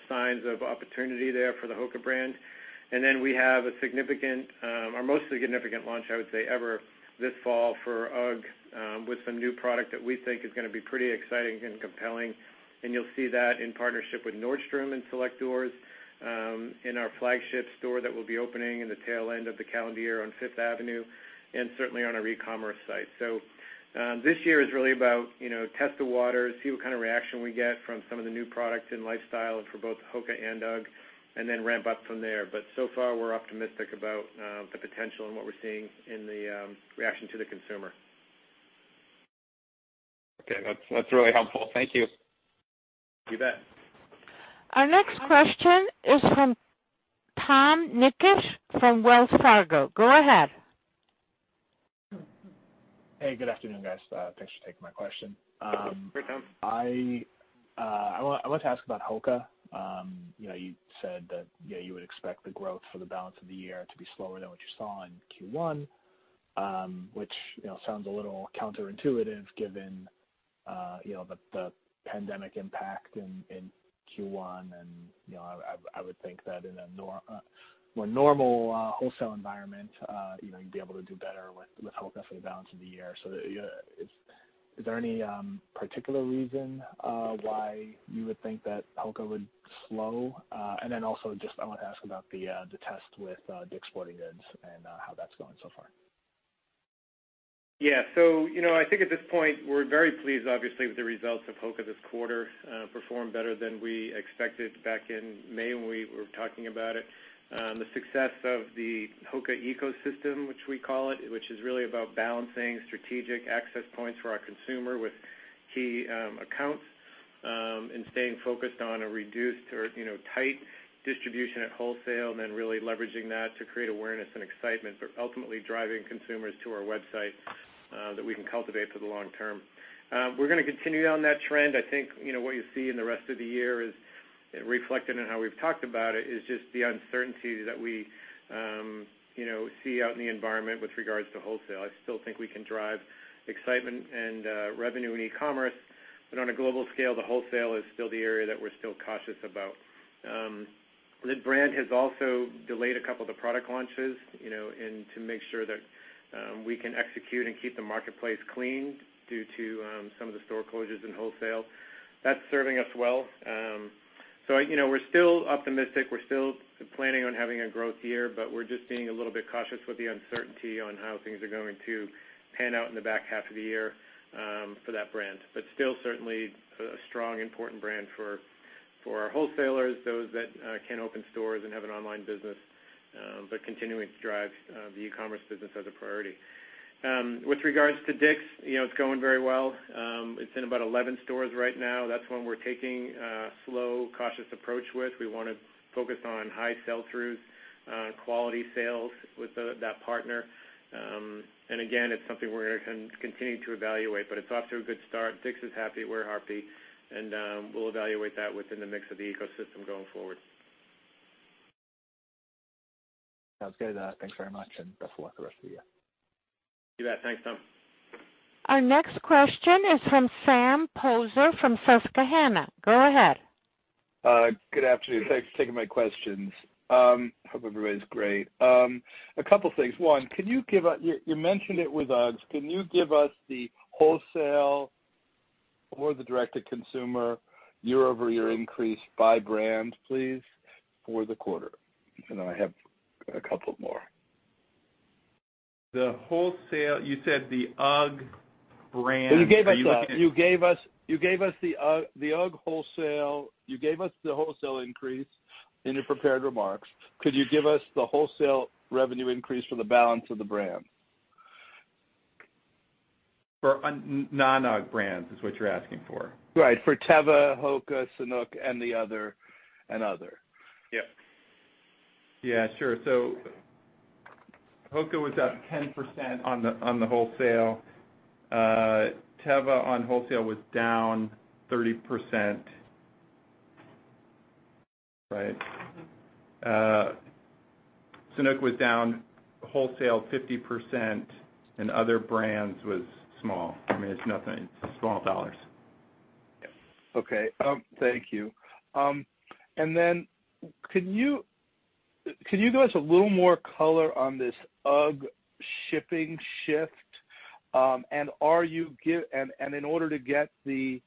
signs of opportunity there for the HOKA brand. We have a significant, or most significant launch, I would say, ever this fall for UGG, with some new product that we think is going to be pretty exciting and compelling. You'll see that in partnership with Nordstrom and select doors, in our flagship store that will be opening in the tail end of the calendar year on Fifth Avenue, and certainly on our e-commerce site. This year is really about test the waters, see what kind of reaction we get from some of the new product and lifestyle for both HOKA and UGG, and then ramp up from there. So far, we're optimistic about the potential and what we're seeing in the reaction to the consumer. Okay. That's really helpful. Thank you. You bet. Our next question is from Tom Nikic from Wells Fargo. Go ahead. Hey, good afternoon, guys. Thanks for taking my question. Hey, Tom. I wanted to ask about HOKA. You said that you would expect the growth for the balance of the year to be slower than what you saw in Q1, which sounds a little counterintuitive given the pandemic impact in Q1. I would think that in a more normal wholesale environment you'd be able to do better with HOKA for the balance of the year. Is there any particular reason why you would think that HOKA would slow? Then also just I want to ask about the test with Dick's Sporting Goods and how that's going so far. Yeah. I think at this point we're very pleased obviously with the results of HOKA this quarter. Performed better than we expected back in May when we were talking about it. The success of the HOKA ecosystem, which we call it, which is really about balancing strategic access points for our consumer with key accounts, and staying focused on a reduced or tight distribution at wholesale and then really leveraging that to create awareness and excitement, but ultimately driving consumers to our website that we can cultivate for the long term. We're going to continue down that trend. I think what you see in the rest of the year is reflected in how we've talked about it, is just the uncertainty that we see out in the environment with regards to wholesale. I still think we can drive excitement and revenue in e-commerce, but on a global scale, the wholesale is still the area that we're still cautious about. The brand has also delayed a couple of the product launches to make sure that we can execute and keep the marketplace clean due to some of the store closures and wholesale. That's serving us well. We're still optimistic, we're still planning on having a growth year, but we're just being a little bit cautious with the uncertainty on how things are going to pan out in the back half of the year for that brand. Still certainly a strong, important brand for our wholesalers, those that can open stores and have an online business, but continuing to drive the e-commerce business as a priority. With regards to Dick's, it's going very well. It's in about 11 stores right now. That's one we're taking a slow, cautious approach with. We want to focus on high sell-throughs, quality sales with that partner. Again, it's something we're going to continue to evaluate, but it's off to a good start. Dick's is happy, we're happy, and we'll evaluate that within the mix of the ecosystem going forward. Sounds good. Thanks very much, and best of luck the rest of the year. You bet. Thanks, Tom. Our next question is from Sam Poser from Susquehanna. Go ahead. Good afternoon. Thanks for taking my questions. Hope everybody's great. A couple things. One, you mentioned it with UGG, can you give us the wholesale and direct-to-consumer year-over-year increase by brand, please, for the quarter. Then I have a couple more. You said the UGG brand. Are you looking at. You gave us the UGG wholesale. You gave us the wholesale increase in your prepared remarks. Could you give us the wholesale revenue increase for the balance of the brand? For non-UGG brands is what you're asking for. Right. For Teva, HOKA, Sanuk, and the other. Yeah. Sure. HOKA was up 10% on the wholesale. Teva on wholesale was down 30%. Right? Sanuk was down wholesale 50%, and other brands was small. I mean, it's nothing. It's small dollars. Okay. Thank you. Can you give us a little more color on this UGG shipping shift? In order to get the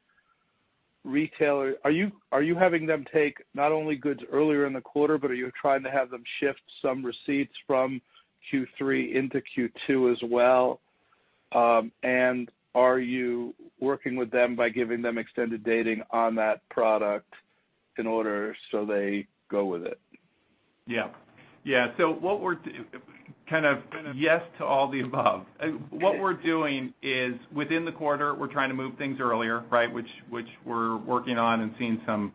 retailer, are you having them take not only goods earlier in the quarter, but are you trying to have them shift some receipts from Q3 into Q2 as well? Are you working with them by giving them extended dating on that product in order so they go with it? Yeah. Kind of yes to all the above. What we're doing is within the quarter, we're trying to move things earlier, which we're working on and seeing some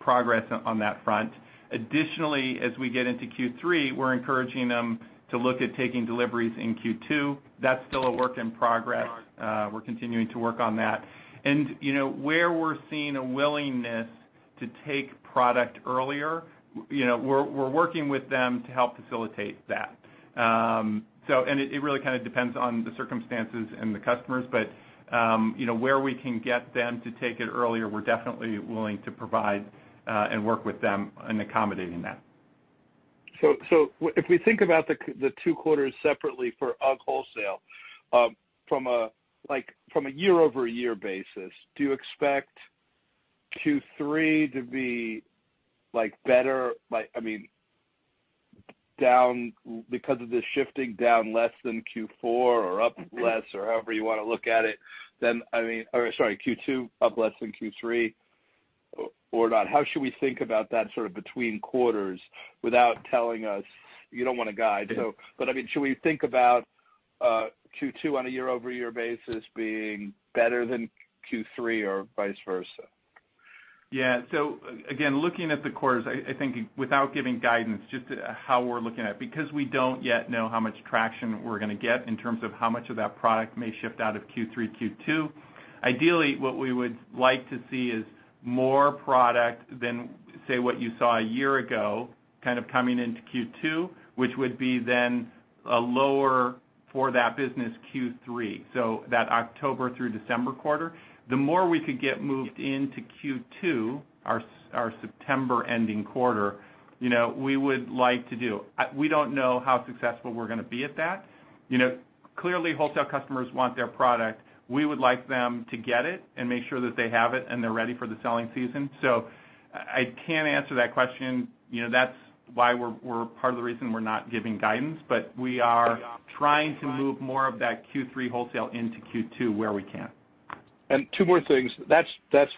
progress on that front. Additionally, as we get into Q3, we're encouraging them to look at taking deliveries in Q2. That's still a work in progress. We're continuing to work on that. Where we're seeing a willingness to take product earlier, we're working with them to help facilitate that. It really kind of depends on the circumstances and the customers, but where we can get them to take it earlier, we're definitely willing to provide and work with them in accommodating that. If we think about the two quarters separately for UGG wholesale, from a year-over-year basis, do you expect Q3 to be better because of the shifting down less than Q4 or up less or however you want to look at it, or sorry, Q2 up less than Q3 or not? How should we think about that sort of between quarters without telling us, you don't want to guide. Should we think about Q2 on a year-over-year basis being better than Q3 or vice versa? Again, looking at the quarters, I think without giving guidance, just how we're looking at, because we don't yet know how much traction we're going to get in terms of how much of that product may shift out of Q3, Q2. Ideally, what we would like to see is more product than, say, what you saw a year ago kind of coming into Q2, which would be then a lower for that business Q3, so that October through December quarter. The more we could get moved into Q2, our September-ending quarter, we would like to do. We don't know how successful we're going to be at that. Clearly, wholesale customers want their product. We would like them to get it and make sure that they have it and they're ready for the selling season. I can't answer that question. That's part of the reason we're not giving guidance, but we are trying to move more of that Q3 wholesale into Q2 where we can. Two more things. That's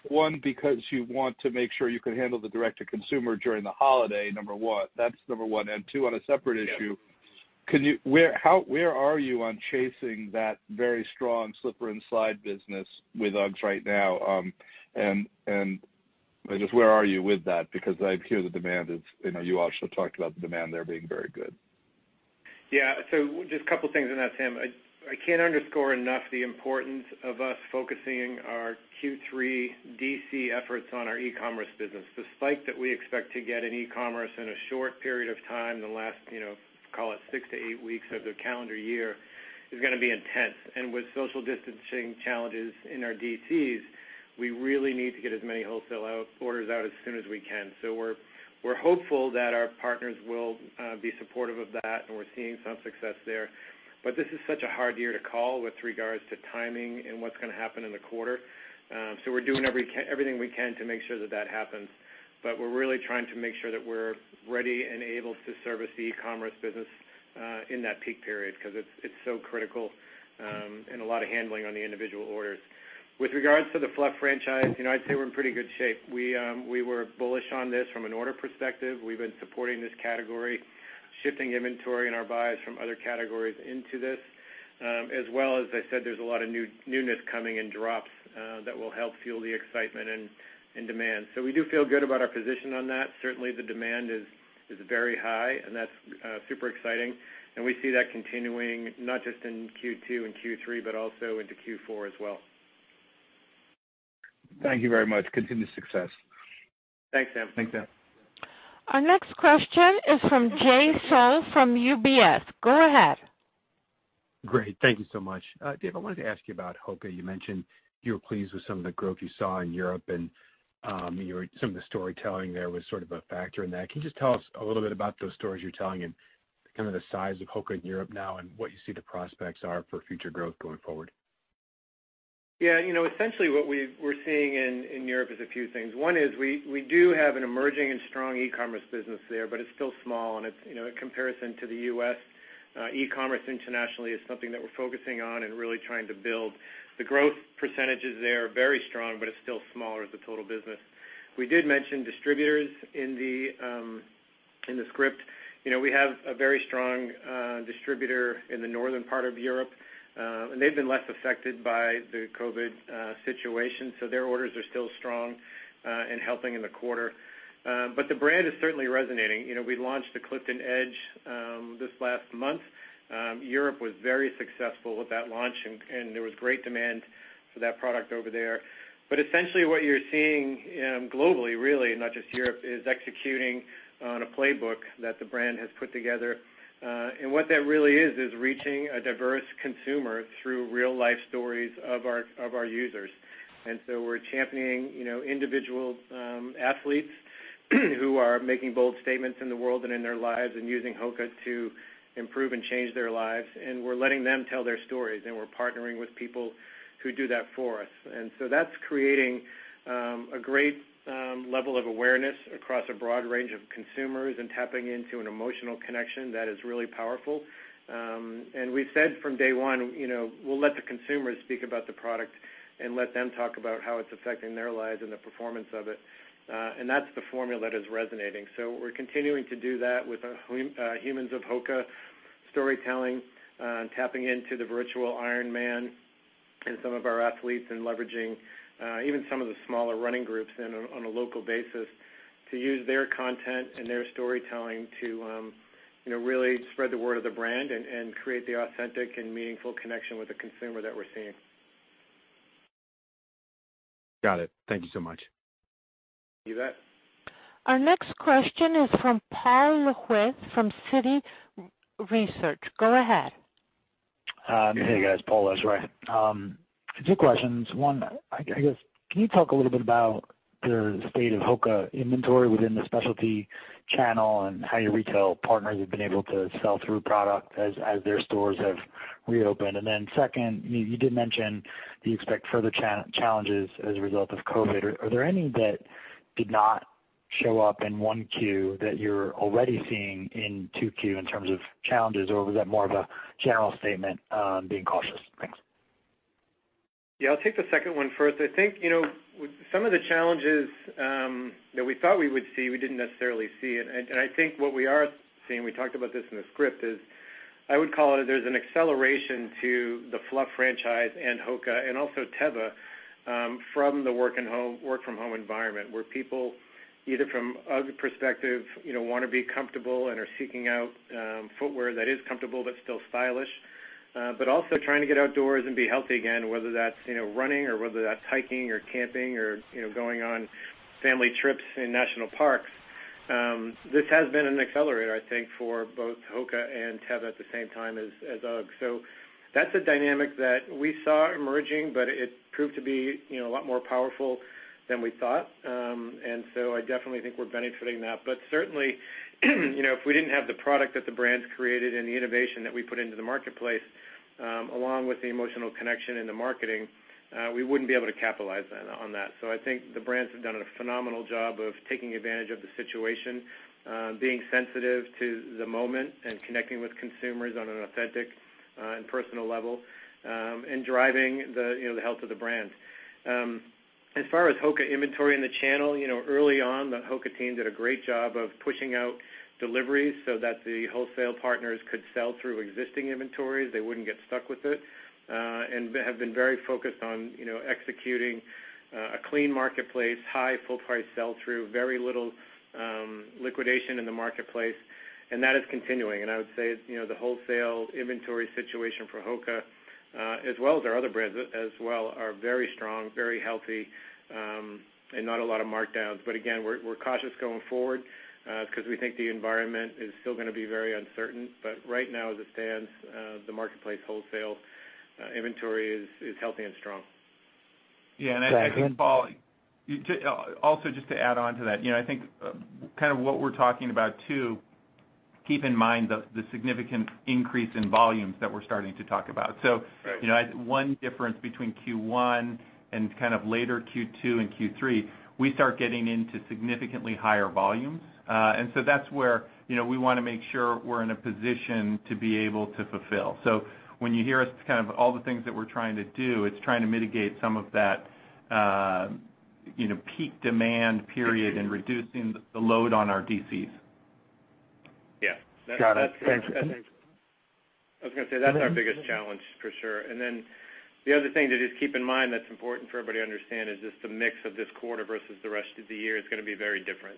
one, because you want to make sure you can handle the direct-to-consumer during the holiday, number one. That's number one. Two, on a separate issue, where are you on chasing that very strong slipper inside business with UGG right now? Just where are you with that? I hear the demand is. You also talked about the demand there being very good. Yeah. Just a couple things on that, Sam. I can't underscore enough the importance of us focusing our Q3 DC efforts on our e-commerce business. The spike that we expect to get in e-commerce in a short period of time in the last, call it six to eight weeks of the calendar year, is going to be intense. With social distancing challenges in our DCs, we really need to get as many wholesale orders out as soon as we can. We're hopeful that our partners will be supportive of that, and we're seeing some success there. This is such a hard year to call with regards to timing and what's going to happen in the quarter. We're doing everything we can to make sure that that happens. We're really trying to make sure that we're ready and able to service the e-commerce business in that peak period because it's so critical and a lot of handling on the individual orders. With regards to the Fluff franchise, I'd say we're in pretty good shape. We were bullish on this from an order perspective. We've been supporting this category, shifting inventory and our buys from other categories into this. As well as I said, there's a lot of newness coming in drops that will help fuel the excitement and demand. We do feel good about our position on that. Certainly, the demand is very high, and that's super exciting. We see that continuing, not just in Q2 and Q3, but also into Q4 as well. Thank you very much. Continued success. Thanks, Tim. Thanks, Tim. Our next question is from Jay Sole from UBS. Go ahead. Great. Thank you so much. Dave, I wanted to ask you about HOKA. You mentioned you were pleased with some of the growth you saw in Europe and some of the storytelling there was sort of a factor in that. Can you just tell us a little bit about those stories you're telling and kind of the size of HOKA in Europe now and what you see the prospects are for future growth going forward. Yeah. Essentially what we're seeing in Europe is a few things. One is we do have an emerging and strong e-commerce business there, but it's still small, and in comparison to the U.S., e-commerce internationally is something that we're focusing on and really trying to build. The growth percentages there are very strong, but it's still smaller as a total business. We did mention distributors in the script. We have a very strong distributor in the northern part of Europe. They've been less affected by the COVID situation, so their orders are still strong and helping in the quarter. The brand is certainly resonating. We launched the Clifton Edge this last month. Europe was very successful with that launch, and there was great demand for that product over there. Essentially what you're seeing globally, really, not just Europe, is executing on a playbook that the brand has put together. What that really is reaching a diverse consumer through real-life stories of our users. We're championing individual athletes who are making bold statements in the world and in their lives and using HOKA to improve and change their lives. We're letting them tell their stories, and we're partnering with people who do that for us. That's creating a great level of awareness across a broad range of consumers and tapping into an emotional connection that is really powerful. We said from day one, we'll let the consumers speak about the product and let them talk about how it's affecting their lives and the performance of it. That's the formula that is resonating. We're continuing to do that with the Humans of HOKA storytelling, tapping into the virtual Ironman and some of our athletes, and leveraging even some of the smaller running groups on a local basis to use their content and their storytelling to really spread the word of the brand and create the authentic and meaningful connection with the consumer that we're seeing. Got it. Thank you so much. You bet. Our next question is from Paul Lejuez from Citi Research. Go ahead. Hey, guys. Paul Lejuez. Two questions. One, I guess, can you talk a little bit about the state of HOKA inventory within the specialty channel and how your retail partners have been able to sell through product as their stores have reopened? Second, you did mention that you expect further challenges as a result of COVID. Are there any that did not show up in Q1 that you're already seeing in Q2 in terms of challenges, or was that more of a general statement being cautious? Thanks. Yeah. I'll take the second one first. I think some of the challenges that we thought we would see, we didn't necessarily see. I think what we are seeing, we talked about this in the script, is I would call it there's an acceleration to the Fluff franchise and HOKA and also Teva from the work from home environment, where people, either from UGG perspective want to be comfortable and are seeking out footwear that is comfortable but still stylish. Also trying to get outdoors and be healthy again, whether that's running or whether that's hiking or camping or going on family trips in national parks. This has been an accelerator, I think, for both HOKA and Teva at the same time as UGG. That's a dynamic that we saw emerging. It proved to be a lot more powerful than we thought. I definitely think we're benefiting that. Certainly, if we didn't have the product that the brands created and the innovation that we put into the marketplace, along with the emotional connection and the marketing, we wouldn't be able to capitalize on that. I think the brands have done a phenomenal job of taking advantage of the situation, being sensitive to the moment, and connecting with consumers on an authentic and personal level, and driving the health of the brand. As far as HOKA inventory in the channel, early on, the HOKA team did a great job of pushing out deliveries so that the wholesale partners could sell through existing inventories. They wouldn't get stuck with it. Have been very focused on executing a clean marketplace, high full price sell-through, very little liquidation in the marketplace, and that is continuing. I would say the wholesale inventory situation for HOKA, as well as our other brands as well, are very strong, very healthy, and not a lot of markdowns. Again, we're cautious going forward because we think the environment is still going to be very uncertain. Right now, as it stands the marketplace wholesale inventory is healthy and strong. Yeah. I think, Paul, also just to add on to that, I think kind of what we're talking about too, keep in mind the significant increase in volumes that we're starting to talk about. Right. one difference between Q1 and kind of later Q2 and Q3, we start getting into significantly higher volumes. That's where we want to make sure we're in a position to be able to fulfill. When you hear us kind of all the things that we're trying to do, it's trying to mitigate some of that peak demand period and reducing the load on our DCs. Yeah. Got it. Thanks. I was going to say, that's our biggest challenge for sure. The other thing to just keep in mind that's important for everybody to understand is just the mix of this quarter versus the rest of the year is going to be very different.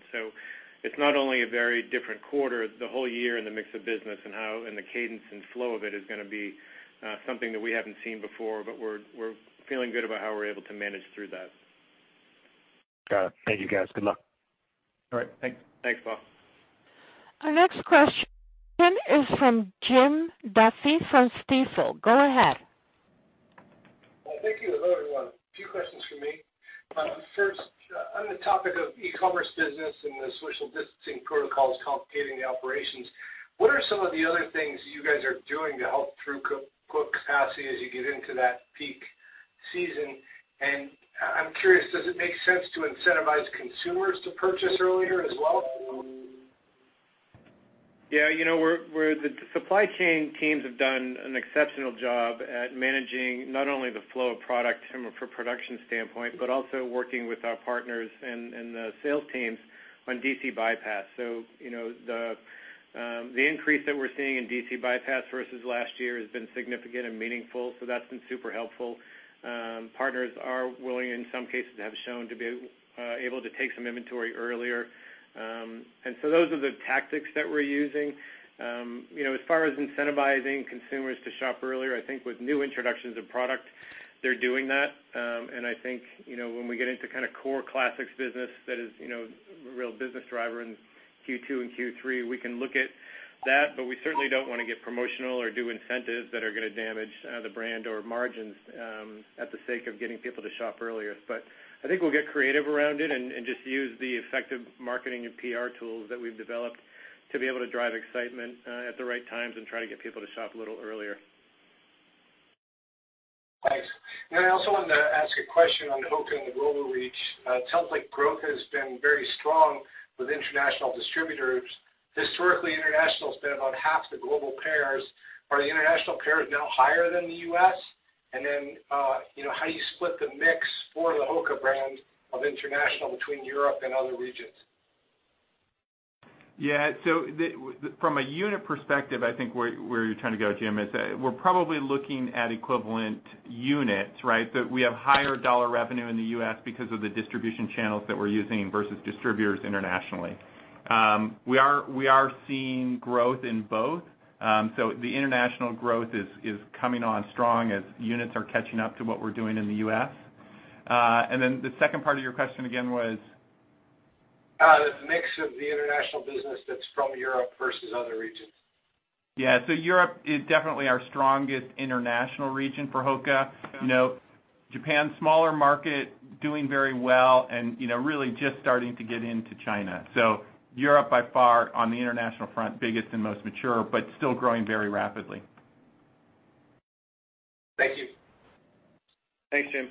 It's not only a very different quarter, the whole year in the mix of business and the cadence and flow of it is going to be something that we haven't seen before, but we're feeling good about how we're able to manage through that. Got it. Thank you, guys. Good luck. All right. Thanks. Thanks, Paul. Our next question is from Jim Duffy from Stifel. Go ahead. Hello, everyone. A few questions from me. First, on the topic of e-commerce business and the social distancing protocols complicating the operations, what are some of the other things you guys are doing to help through capacity as you get into that peak season? I'm curious, does it make sense to incentivize consumers to purchase earlier as well? Yeah. The supply chain teams have done an exceptional job at managing not only the flow of product from a production standpoint, but also working with our partners and the sales teams on DC bypass. The increase that we're seeing in DC bypass versus last year has been significant and meaningful, so that's been super helpful. Partners are willing, in some cases, have shown to be able to take some inventory earlier. Those are the tactics that we're using. As far as incentivizing consumers to shop earlier, I think with new introductions of product, they're doing that. I think, when we get into kind of core classics business, that is a real business driver in Q2 and Q3, we can look at that, but we certainly don't want to get promotional or do incentives that are going to damage the brand or margins at the sake of getting people to shop earlier. I think we'll get creative around it and just use the effective marketing and PR tools that we've developed to be able to drive excitement at the right times and try to get people to shop a little earlier. Thanks. I also wanted to ask a question on HOKA and the global reach. It sounds like growth has been very strong with international distributors. Historically, international's been about half the global pairs. Are the international pairs now higher than the U.S.? How do you split the mix for the HOKA brand of international between Europe and other regions? Yeah. From a unit perspective, I think where you're trying to go, Jim, is that we're probably looking at equivalent units, right? That we have higher dollar revenue in the U.S. because of the distribution channels that we're using versus distributors internationally. We are seeing growth in both. The international growth is coming on strong as units are catching up to what we're doing in the U.S. The second part of your question again was? The mix of the international business that's from Europe versus other regions. Yeah. Europe is definitely our strongest international region for HOKA. Japan, smaller market, doing very well and really just starting to get into China. Europe by far on the international front, biggest and most mature, but still growing very rapidly. Thank you. Thanks, Jim.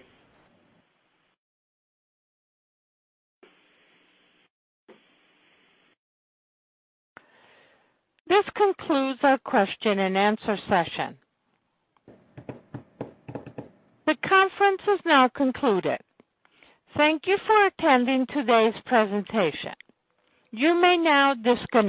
This concludes our question and answer session. The conference has now concluded. Thank you for attending today's presentation. You may now disconnect.